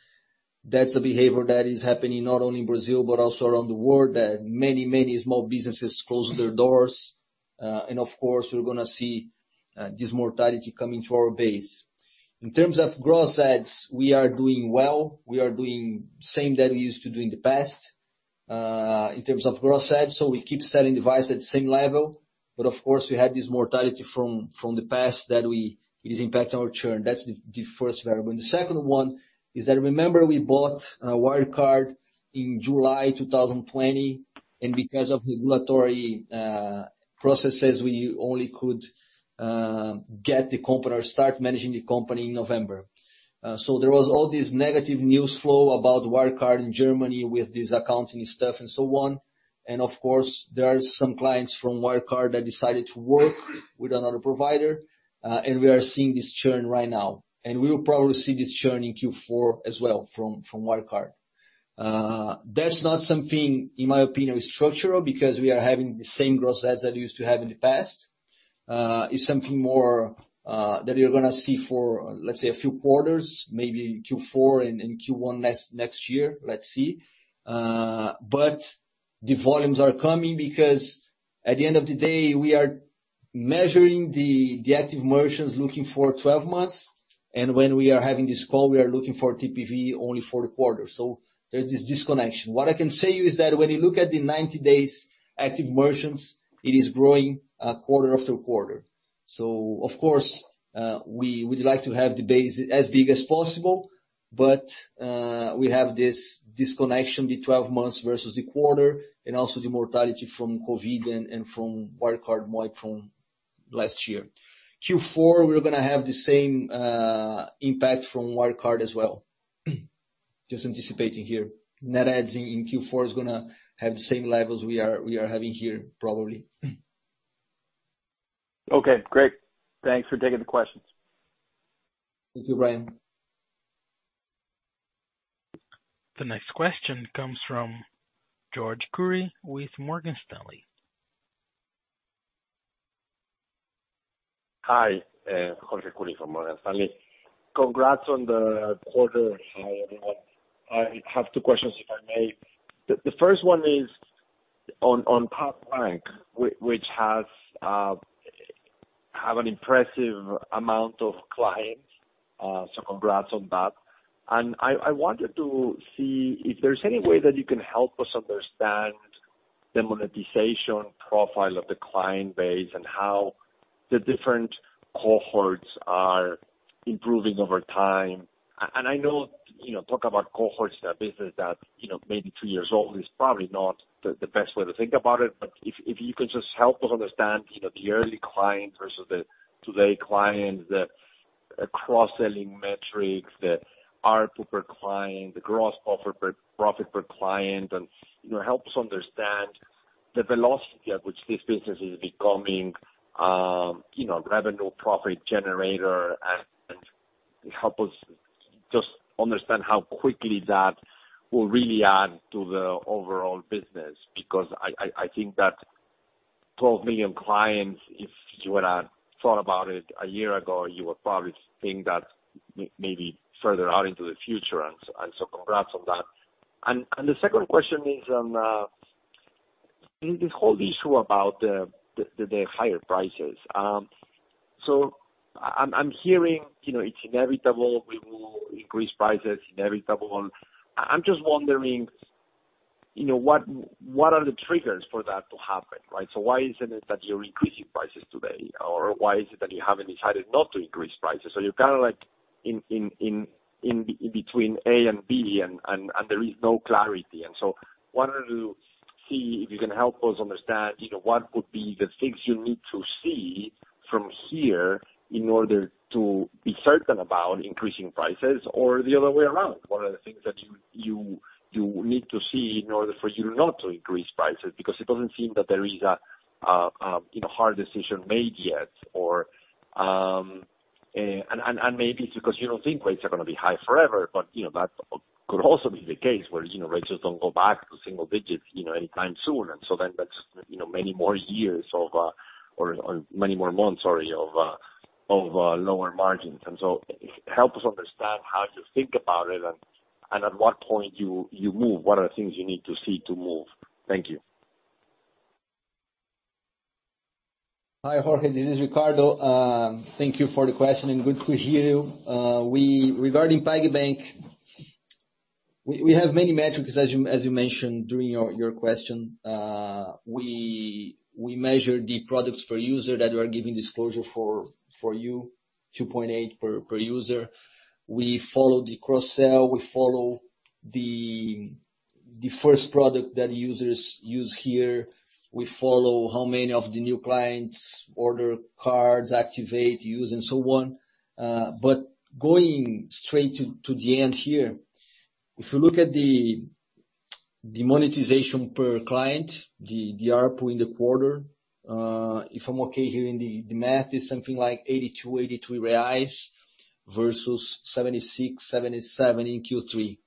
that's a behavior that is happening not only in Brazil, but also around the world, that many small businesses close their doors. Of course, we're gonna see this mortality coming to our base. In terms of gross adds, we are doing well. We are doing the same that we used to do in the past in terms of gross adds. We keep selling devices at the same level. We had this mortality from the past that is impacting our churn. That's the first variable. The second one is that, remember, we bought Wirecard in July 2020, and because of regulatory processes, we only could get the company or start managing the company in November. There was all this negative news flow about Wirecard in Germany with this accounting stuff and so on. Of course, there are some clients from Wirecard that decided to work with another provider, and we are seeing this churn right now. We will probably see this churn in Q4 as well from Wirecard. That's not something, in my opinion, is structural because we are having the same growth adds that we used to have in the past. It's something more that we're gonna see for, let's say, a few quarters, maybe Q4 and Q1 next year. Let's see. The volumes are coming because at the end of the day, we are measuring the active merchants looking for twelve months. When we are having this call, we are looking for TPV only for the quarter. There is this disconnection. What I can say is that when you look at the 90 days active merchants, it is growing quarter after quarter. Of course, we would like to have the base as big as possible, but we have this disconnection, the 12 months versus the quarter, and also the mortality from COVID-19 and from Wirecard more from last year. Q4, we're gonna have the same impact from Wirecard as well. Just anticipating here. Net adds in Q4 is gonna have the same levels we are having here, probably. Okay, great. Thanks for taking the questions. Thank you, Bryan. The next question comes from Jorge Kuri with Morgan Stanley. Hi, Jorge Kuri from Morgan Stanley. Congrats on the quarter. I have two questions, if I may. The first one is on PagBank, which has an impressive amount of clients. So congrats on that. I wanted to see if there's any way that you can help us understand the monetization profile of the client base and how the different cohorts are improving over time. I know, you know, talk about cohorts in a business that, you know, may be two years old is probably not the best way to think about it. If you can just help us understand, you know, the early client versus the today client, the cross-selling metrics, the ARPU per client, the profit per client, and, you know, help us understand the velocity at which this business is becoming, you know, revenue profit generator and help us just understand how quickly that will really add to the overall business. Because I think that 12 million clients, if you would've thought about it a year ago, you would probably think that maybe further out into the future. Congrats on that. The second question is on this whole issue about the higher prices. I'm hearing, you know, it's inevitable we will increase prices, inevitable. I'm just wondering, you know, what are the triggers for that to happen, right? Why is it that you're increasing prices today? Or why is it that you haven't decided not to increase prices? You're kind of like in between A and B and there is no clarity. I wanted to see if you can help us understand, you know, what would be the things you need to see from here in order to be certain about increasing prices or the other way around. What are the things that you need to see in order for you not to increase prices? Because it doesn't seem that there is a, you know, hard decision made yet. Maybe it's because you don't think rates are gonna be high forever, but you know, that could also be the case where you know, rates just don't go back to single digits you know, anytime soon. That's you know, many more months, sorry, of lower margins. Help us understand how you think about it and at what point you move. What are the things you need to see to move? Thank you. Hi, Jorge. This is Ricardo. Thank you for the question and good to hear you. We have many metrics as you mentioned during your question. We measure the products per user that we are giving disclosure for you, 2.8 per user. We follow the cross-sell. We follow the first product that users use here. We follow how many of the new clients order cards, activate, use, and so on. Going straight to the end here, if you look at the monetization per client, the ARPU in the quarter, if I'm okay here in the math, is something like 82-83 reais versus 76-77 in Q3.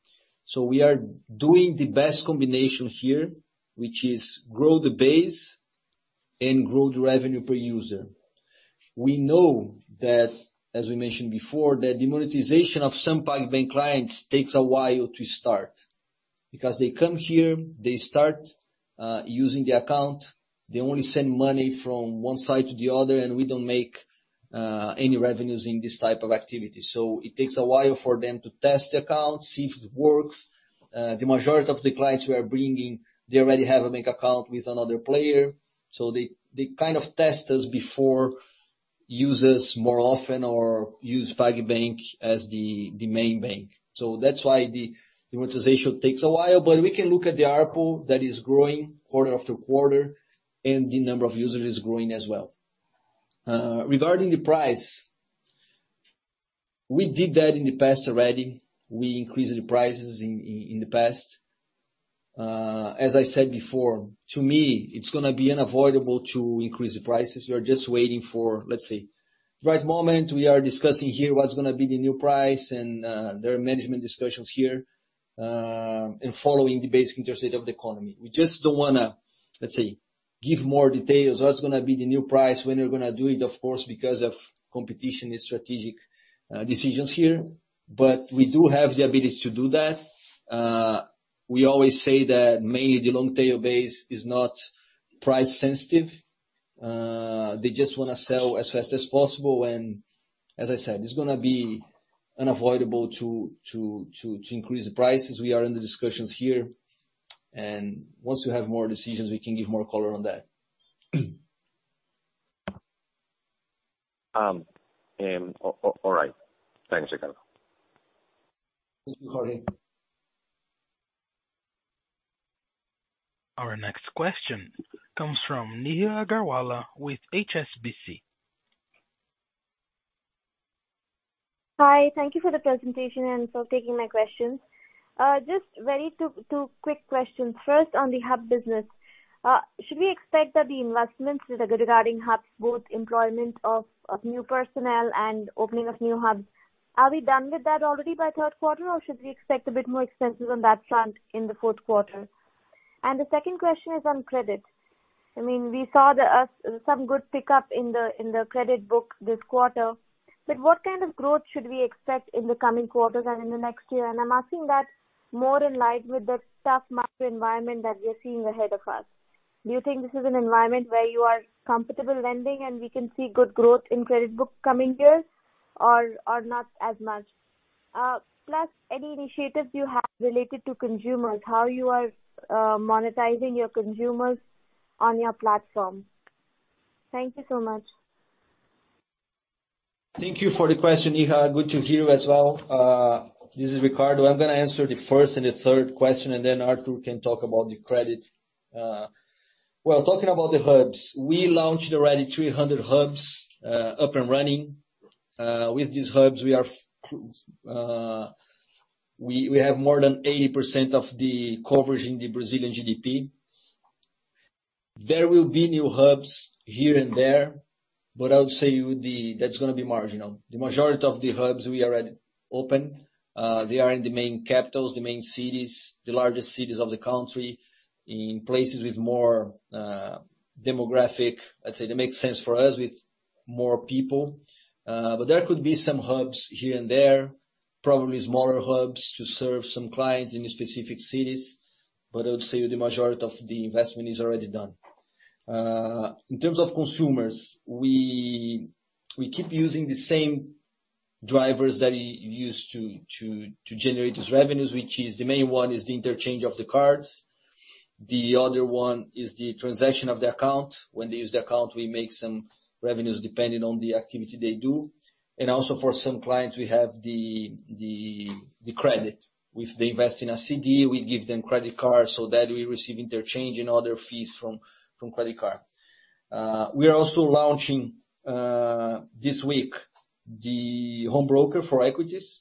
We are doing the best combination here, which is grow the base and grow the revenue per user. We know that, as we mentioned before, that the monetization of some PagBank clients takes a while to start. They come here, they start using the account. They only send money from one side to the other, and we don't make any revenues in this type of activity. It takes a while for them to test accounts, see if it works. The majority of the clients we are bringing, they already have a bank account with another player. They kind of test us before using us more often or use PagBank as the main bank. That's why the monetization takes a while. We can look at the ARPU that is growing quarter after quarter, and the number of users is growing as well. Regarding the price, we did that in the past already. We increased the prices in the past. As I said before, to me, it's gonna be unavoidable to increase the prices. We are just waiting for, let's say, right moment. We are discussing here what's gonna be the new price and there are management discussions here and following the basic interest rate of the economy. We just don't wanna, let's say, give more details what's gonna be the new price, when we're gonna do it, of course, because of competition and strategic decisions here. But we do have the ability to do that. We always say that mainly the long tail base is not price sensitive. They just wanna sell as fast as possible. As I said, it's gonna be unavoidable to increase the prices. We are in the discussions here. Once we have more decisions, we can give more color on that. All right. Thanks, Ricardo. Thank you, Jorge. Our next question comes from Neha Agarwala with HSBC. Hi. Thank you for the presentation and for taking my questions. Just two quick questions. First, on the hub business, should we expect that the investments regarding hubs, both employment of new personnel and opening of new hubs, are we done with that already by third quarter, or should we expect a bit more expenses on that front in the fourth quarter? The second question is on credit. I mean, we saw some good pickup in the credit book this quarter, but what kind of growth should we expect in the coming quarters and in the next year? I'm asking that more in line with the tough market environment that we are seeing ahead of us. Do you think this is an environment where you are comfortable lending and we can see good growth in credit book coming here or not as much? Plus any initiatives you have related to consumers, how you are monetizing your consumers on your platform. Thank you so much. Thank you for the question, Neha. Good to hear you as well. This is Ricardo. I'm gonna answer the first and the third question, and then Artur can talk about the credit. Well, talking about the hubs, we launched already 300 hubs, up and running. With these hubs, we have more than 80% of the coverage in the Brazilian GDP. There will be new hubs here and there, but I would say that's gonna be marginal. The majority of the hubs we already open. They are in the main capitals, the main cities, the largest cities of the country, in places with more demographic. Let's say they make sense for us with more people. There could be some hubs here and there, probably smaller hubs to serve some clients in specific cities, but I would say the majority of the investment is already done. In terms of consumers, we keep using the same drivers that we used to to generate these revenues, which is the main one is the interchange of the cards. The other one is the transaction of the account. When they use the account, we make some revenues depending on the activity they do. Also, for some clients, we have the credit. If they invest in a CD, we give them credit cards so that we receive interchange and other fees from credit card. We are also launching this week the home broker for equities.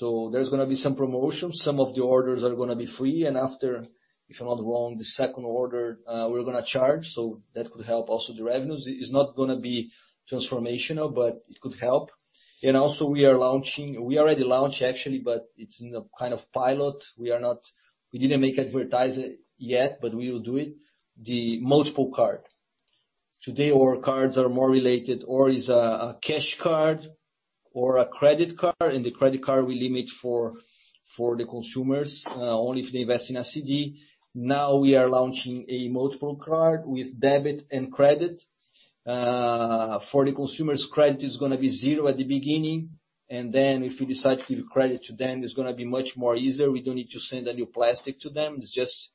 There's gonna be some promotions. Some of the orders are gonna be free. After, if I'm not wrong, the second order, we're gonna charge. That could help also the revenues. It's not gonna be transformational, but it could help. Also we are launching. We already launched actually, but it's in a kind of pilot. We didn't advertise it yet, but we will do it. The multiple card. Today, our cards are more related or is a cash card or a credit card, and the credit card we limit for the consumers only if they invest in a CD. Now we are launching a multiple card with debit and credit. For the consumers, credit is gonna be zero at the beginning, and then if we decide to give credit to them, it's gonna be much more easier. We don't need to send a new plastic to them. It's just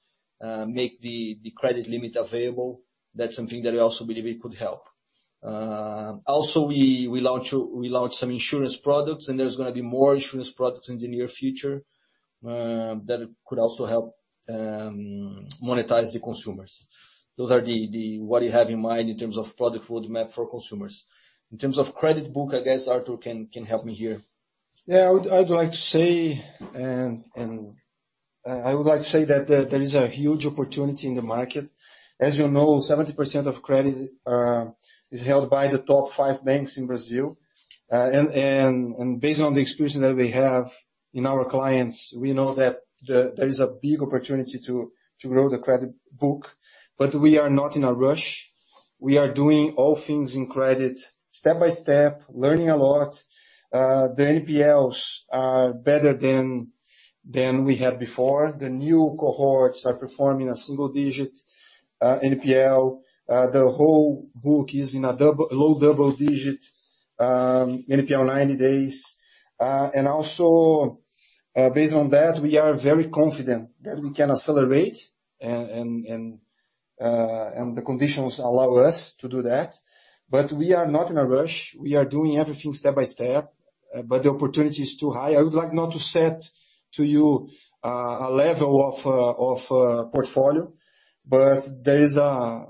make the credit limit available. That's something that I also believe it could help. Also we launch some insurance products, and there's gonna be more insurance products in the near future that could also help monetize the consumers. Those are what you have in mind in terms of product roadmap for consumers. In terms of credit book, I guess Artur can help me here. Yeah, I would like to say that there is a huge opportunity in the market. As you know, 70% of credit is held by the top five banks in Brazil. Based on the experience that we have in our clients, we know that there is a big opportunity to grow the credit book. We are not in a rush. We are doing all things in credit step by step, learning a lot. The NPLs are better than we had before. The new cohorts are performing a single-digit NPL. The whole book is in a low double-digit NPL 90 days. Also, based on that, we are very confident that we can accelerate and the conditions allow us to do that. We are not in a rush. We are doing everything step by step, but the opportunity is too high. I would like not to set to you a level of portfolio, but there is a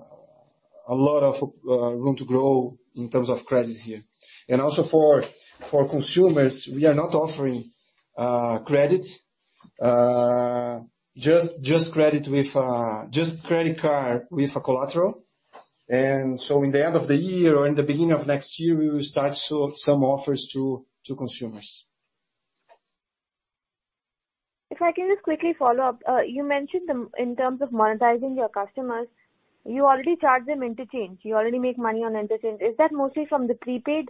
lot of room to grow in terms of credit here. Also for consumers, we are not offering credit. Just credit card with a collateral. In the end of the year or in the beginning of next year, we will start to show some offers to consumers. If I can just quickly follow up. You mentioned the, in terms of monetizing your customers, you already charge them interchange, you already make money on interchange. Is that mostly from the prepaid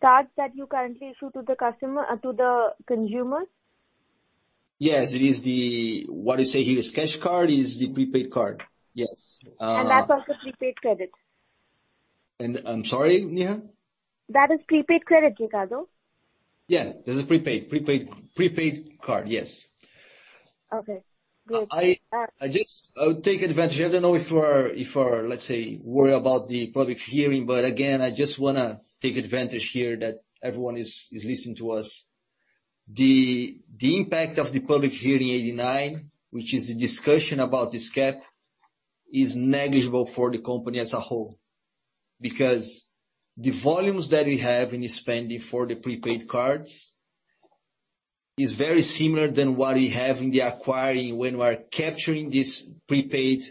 cards that you currently issue to the customer, to the consumers? Yes, it is the, what you say here is cash card, is the prepaid card. Yes. That's also prepaid credit. I'm sorry, Neha? That is prepaid credit, Ricardo. Yeah, this is prepaid card. Yes. Okay, good. I would take advantage. I don't know if we're, let's say, worried about the public hearing, but again, I just wanna take advantage here that everyone is listening to us. The impact of the Consulta Pública 89, which is the discussion about this cap, is negligible for the company as a whole. Because the volumes that we have in spending for the prepaid cards is very similar than what we have in the acquiring when we are capturing these prepaid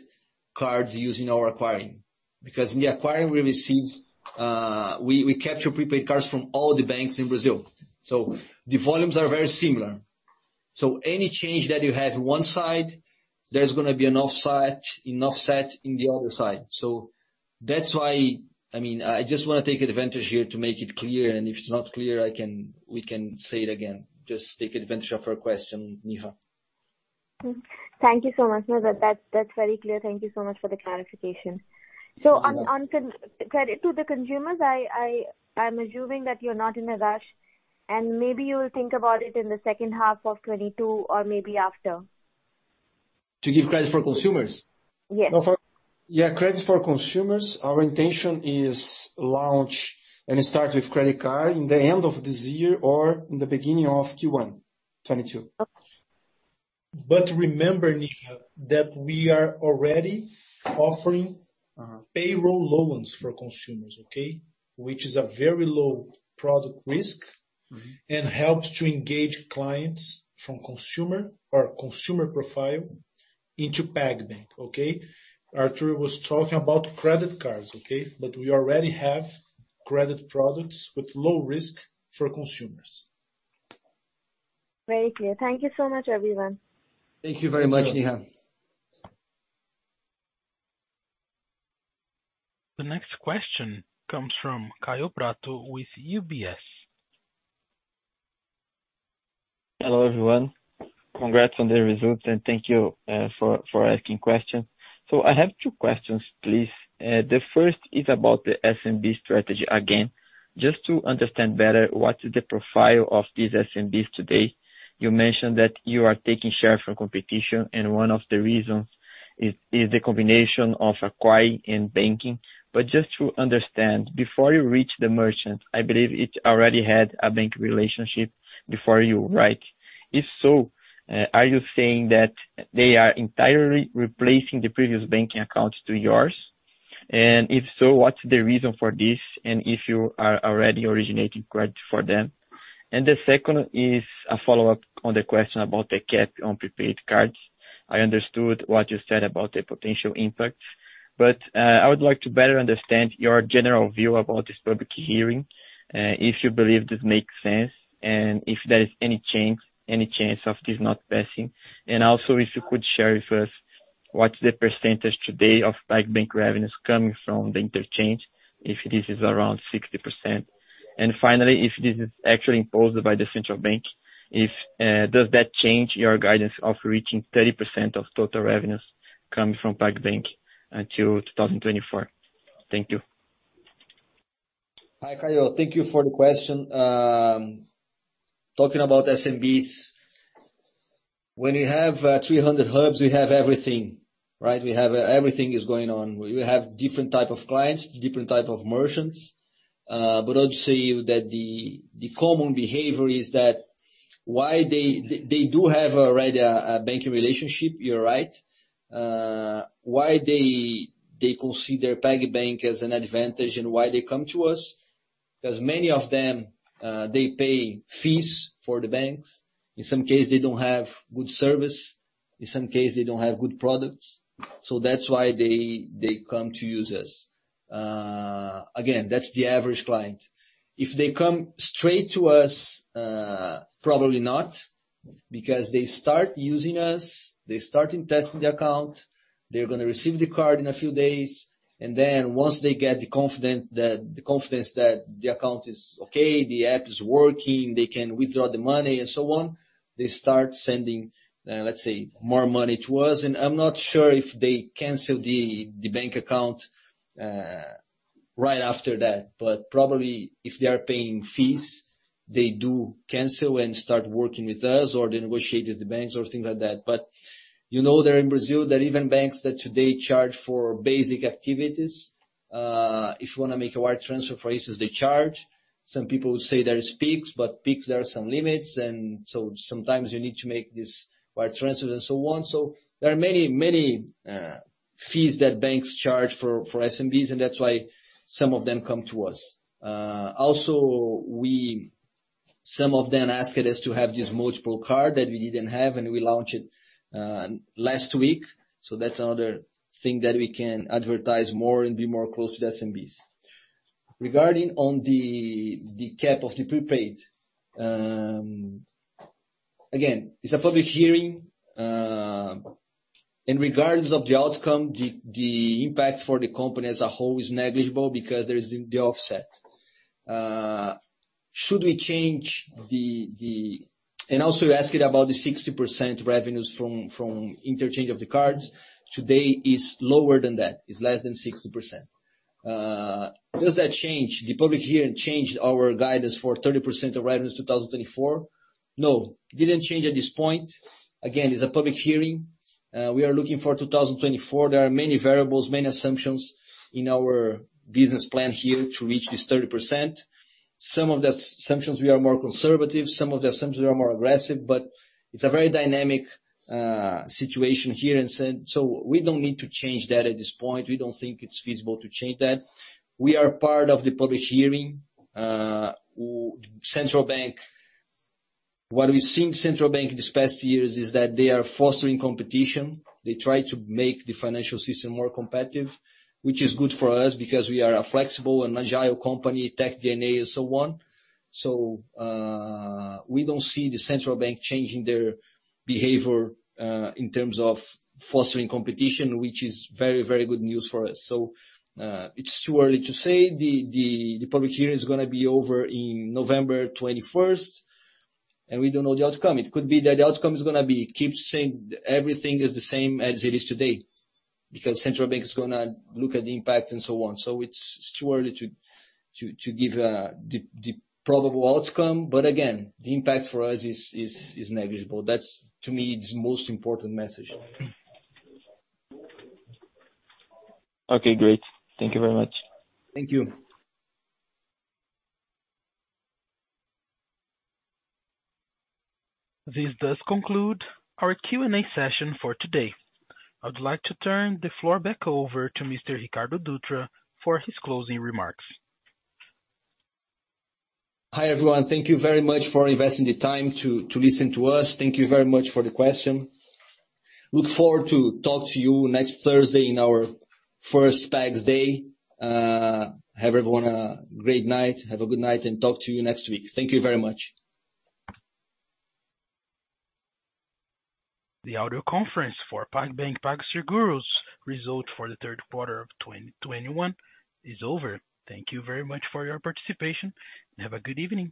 cards using our acquiring. Because in the acquiring, we capture prepaid cards from all the banks in Brazil. The volumes are very similar. Any change that you have in one side, there's gonna be an offset in the other side. That's why, I mean, I just wanna take advantage here to make it clear, and if it's not clear, we can say it again. Just take advantage of your question, Neha. Thank you so much. No, that's very clear. Thank you so much for the clarification. You're welcome. On credit to the consumers, I'm assuming that you're not in a rush, and maybe you'll think about it in the second half of 2022 or maybe after. To give credit for consumers? Yes. Yeah, credit for consumers, our intention is to launch and start with credit card in the end of this year or in the beginning of Q1 2022. Remember, Neha, that we are already offering payroll loans for consumers, okay? Which is a very low product risk. Mm-hmm. Helps to engage clients from consumer profile into PagBank, okay? Artur was talking about credit cards, okay? We already have credit products with low risk for consumers. Very clear. Thank you so much, everyone. Thank you very much, Neha. The next question comes from Kaio Prato with UBS. Hello, everyone. Congrats on the results and thank you for asking questions. I have two questions, please. The first is about the SMB strategy. Again, just to understand better what is the profile of these SMBs today. You mentioned that you are taking share from competition and one of the reasons is the combination of acquiring and banking. Just to understand, before you reach the merchant, I believe it already had a bank relationship before you, right? If so, are you saying that they are entirely replacing the previous banking accounts to yours? And if so, what's the reason for this and if you are already originating credit for them? The second is a follow-up on the question about the cap on prepaid cards. I understood what you said about the potential impacts, but I would like to better understand your general view about this public hearing, if you believe this makes sense and if there is any chance of this not passing. Also if you could share with us what's the percentage today of PagBank revenues coming from the interchange, if this is around 60%. Finally, if this is actually imposed by the central bank, does that change your guidance of reaching 30% of total revenues coming from PagBank till 2024? Thank you. Hi, Kaio. Thank you for the question. Talking about SMBs. When you have 300 hubs, we have everything, right? We have everything is going on. We have different type of clients, different type of merchants. I'd say that the common behavior is that they do have already a banking relationship, you're right. Why they consider PagBank as an advantage and why they come to us, because many of them they pay fees for the banks. In some case, they don't have good service. In some case, they don't have good products. That's why they come to use us. Again, that's the average client. If they come straight to us, probably not. Because they start using us, they start testing the account, they're gonna receive the card in a few days, and then once they get the confidence that the account is okay, the app is working, they can withdraw the money and so on, they start sending, let's say, more money to us. I'm not sure if they cancel the bank account right after that. Probably if they are paying fees, they do cancel and start working with us or they negotiate with the banks or things like that. You know, there in Brazil, there are even banks that today charge for basic activities. If you wanna make a wire transfer, for instance, they charge. Some people say there is Pix, but Pix there are some limits. Sometimes you need to make this wire transfer and so on. There are many fees that banks charge for SMBs, and that's why some of them come to us. Some of them asked us to have this multiple card that we didn't have, and we launched it last week. That's another thing that we can advertise more and be more close to the SMBs. Regarding the cap of the prepaid. Again, it's a public hearing. In regards of the outcome, the impact for the company as a whole is negligible because there is the offset. Should we change the... Also you asked about the 60% revenues from interchange of the cards. Today is lower than that. It's less than 60%. Does the public hearing change our guidance for 30% of revenues 2024? No. It didn't change at this point. Again, it's a public hearing. We are looking for 2024. There are many variables, many assumptions in our business plan here to reach this 30%. Some of the assumptions we are more conservative, some of the assumptions are more aggressive, but it's a very dynamic situation here. We don't need to change that at this point. We don't think it's feasible to change that. We are part of the public hearing. Central bank. What we've seen central bank these past years is that they are fostering competition. They try to make the financial system more competitive, which is good for us because we are a flexible and agile company, tech DNA and so on. We don't see the Central Bank changing their behavior in terms of fostering competition, which is very, very good news for us. It's too early to say. The public hearing is gonna be over in November 21st, and we don't know the outcome. It could be that the outcome is gonna be keep saying everything is the same as it is today, because Central Bank is gonna look at the impact and so on. It's too early to give the probable outcome. But again, the impact for us is negligible. That's, to me, it's most important message. Okay, great. Thank you very much. Thank you. This does conclude our Q&A session for today. I'd like to turn the floor back over to Mr. Ricardo Dutra for his closing remarks. Hi, everyone. Thank you very much for investing the time to listen to us. Thank you very much for the question. Look forward to talk to you next Thursday in our first PagDay. Have everyone a great night. Have a good night, and talk to you next week. Thank you very much. The audio conference for PagBank PagSeguro's results for the third quarter of 2021 is over. Thank you very much for your participation and have a good evening.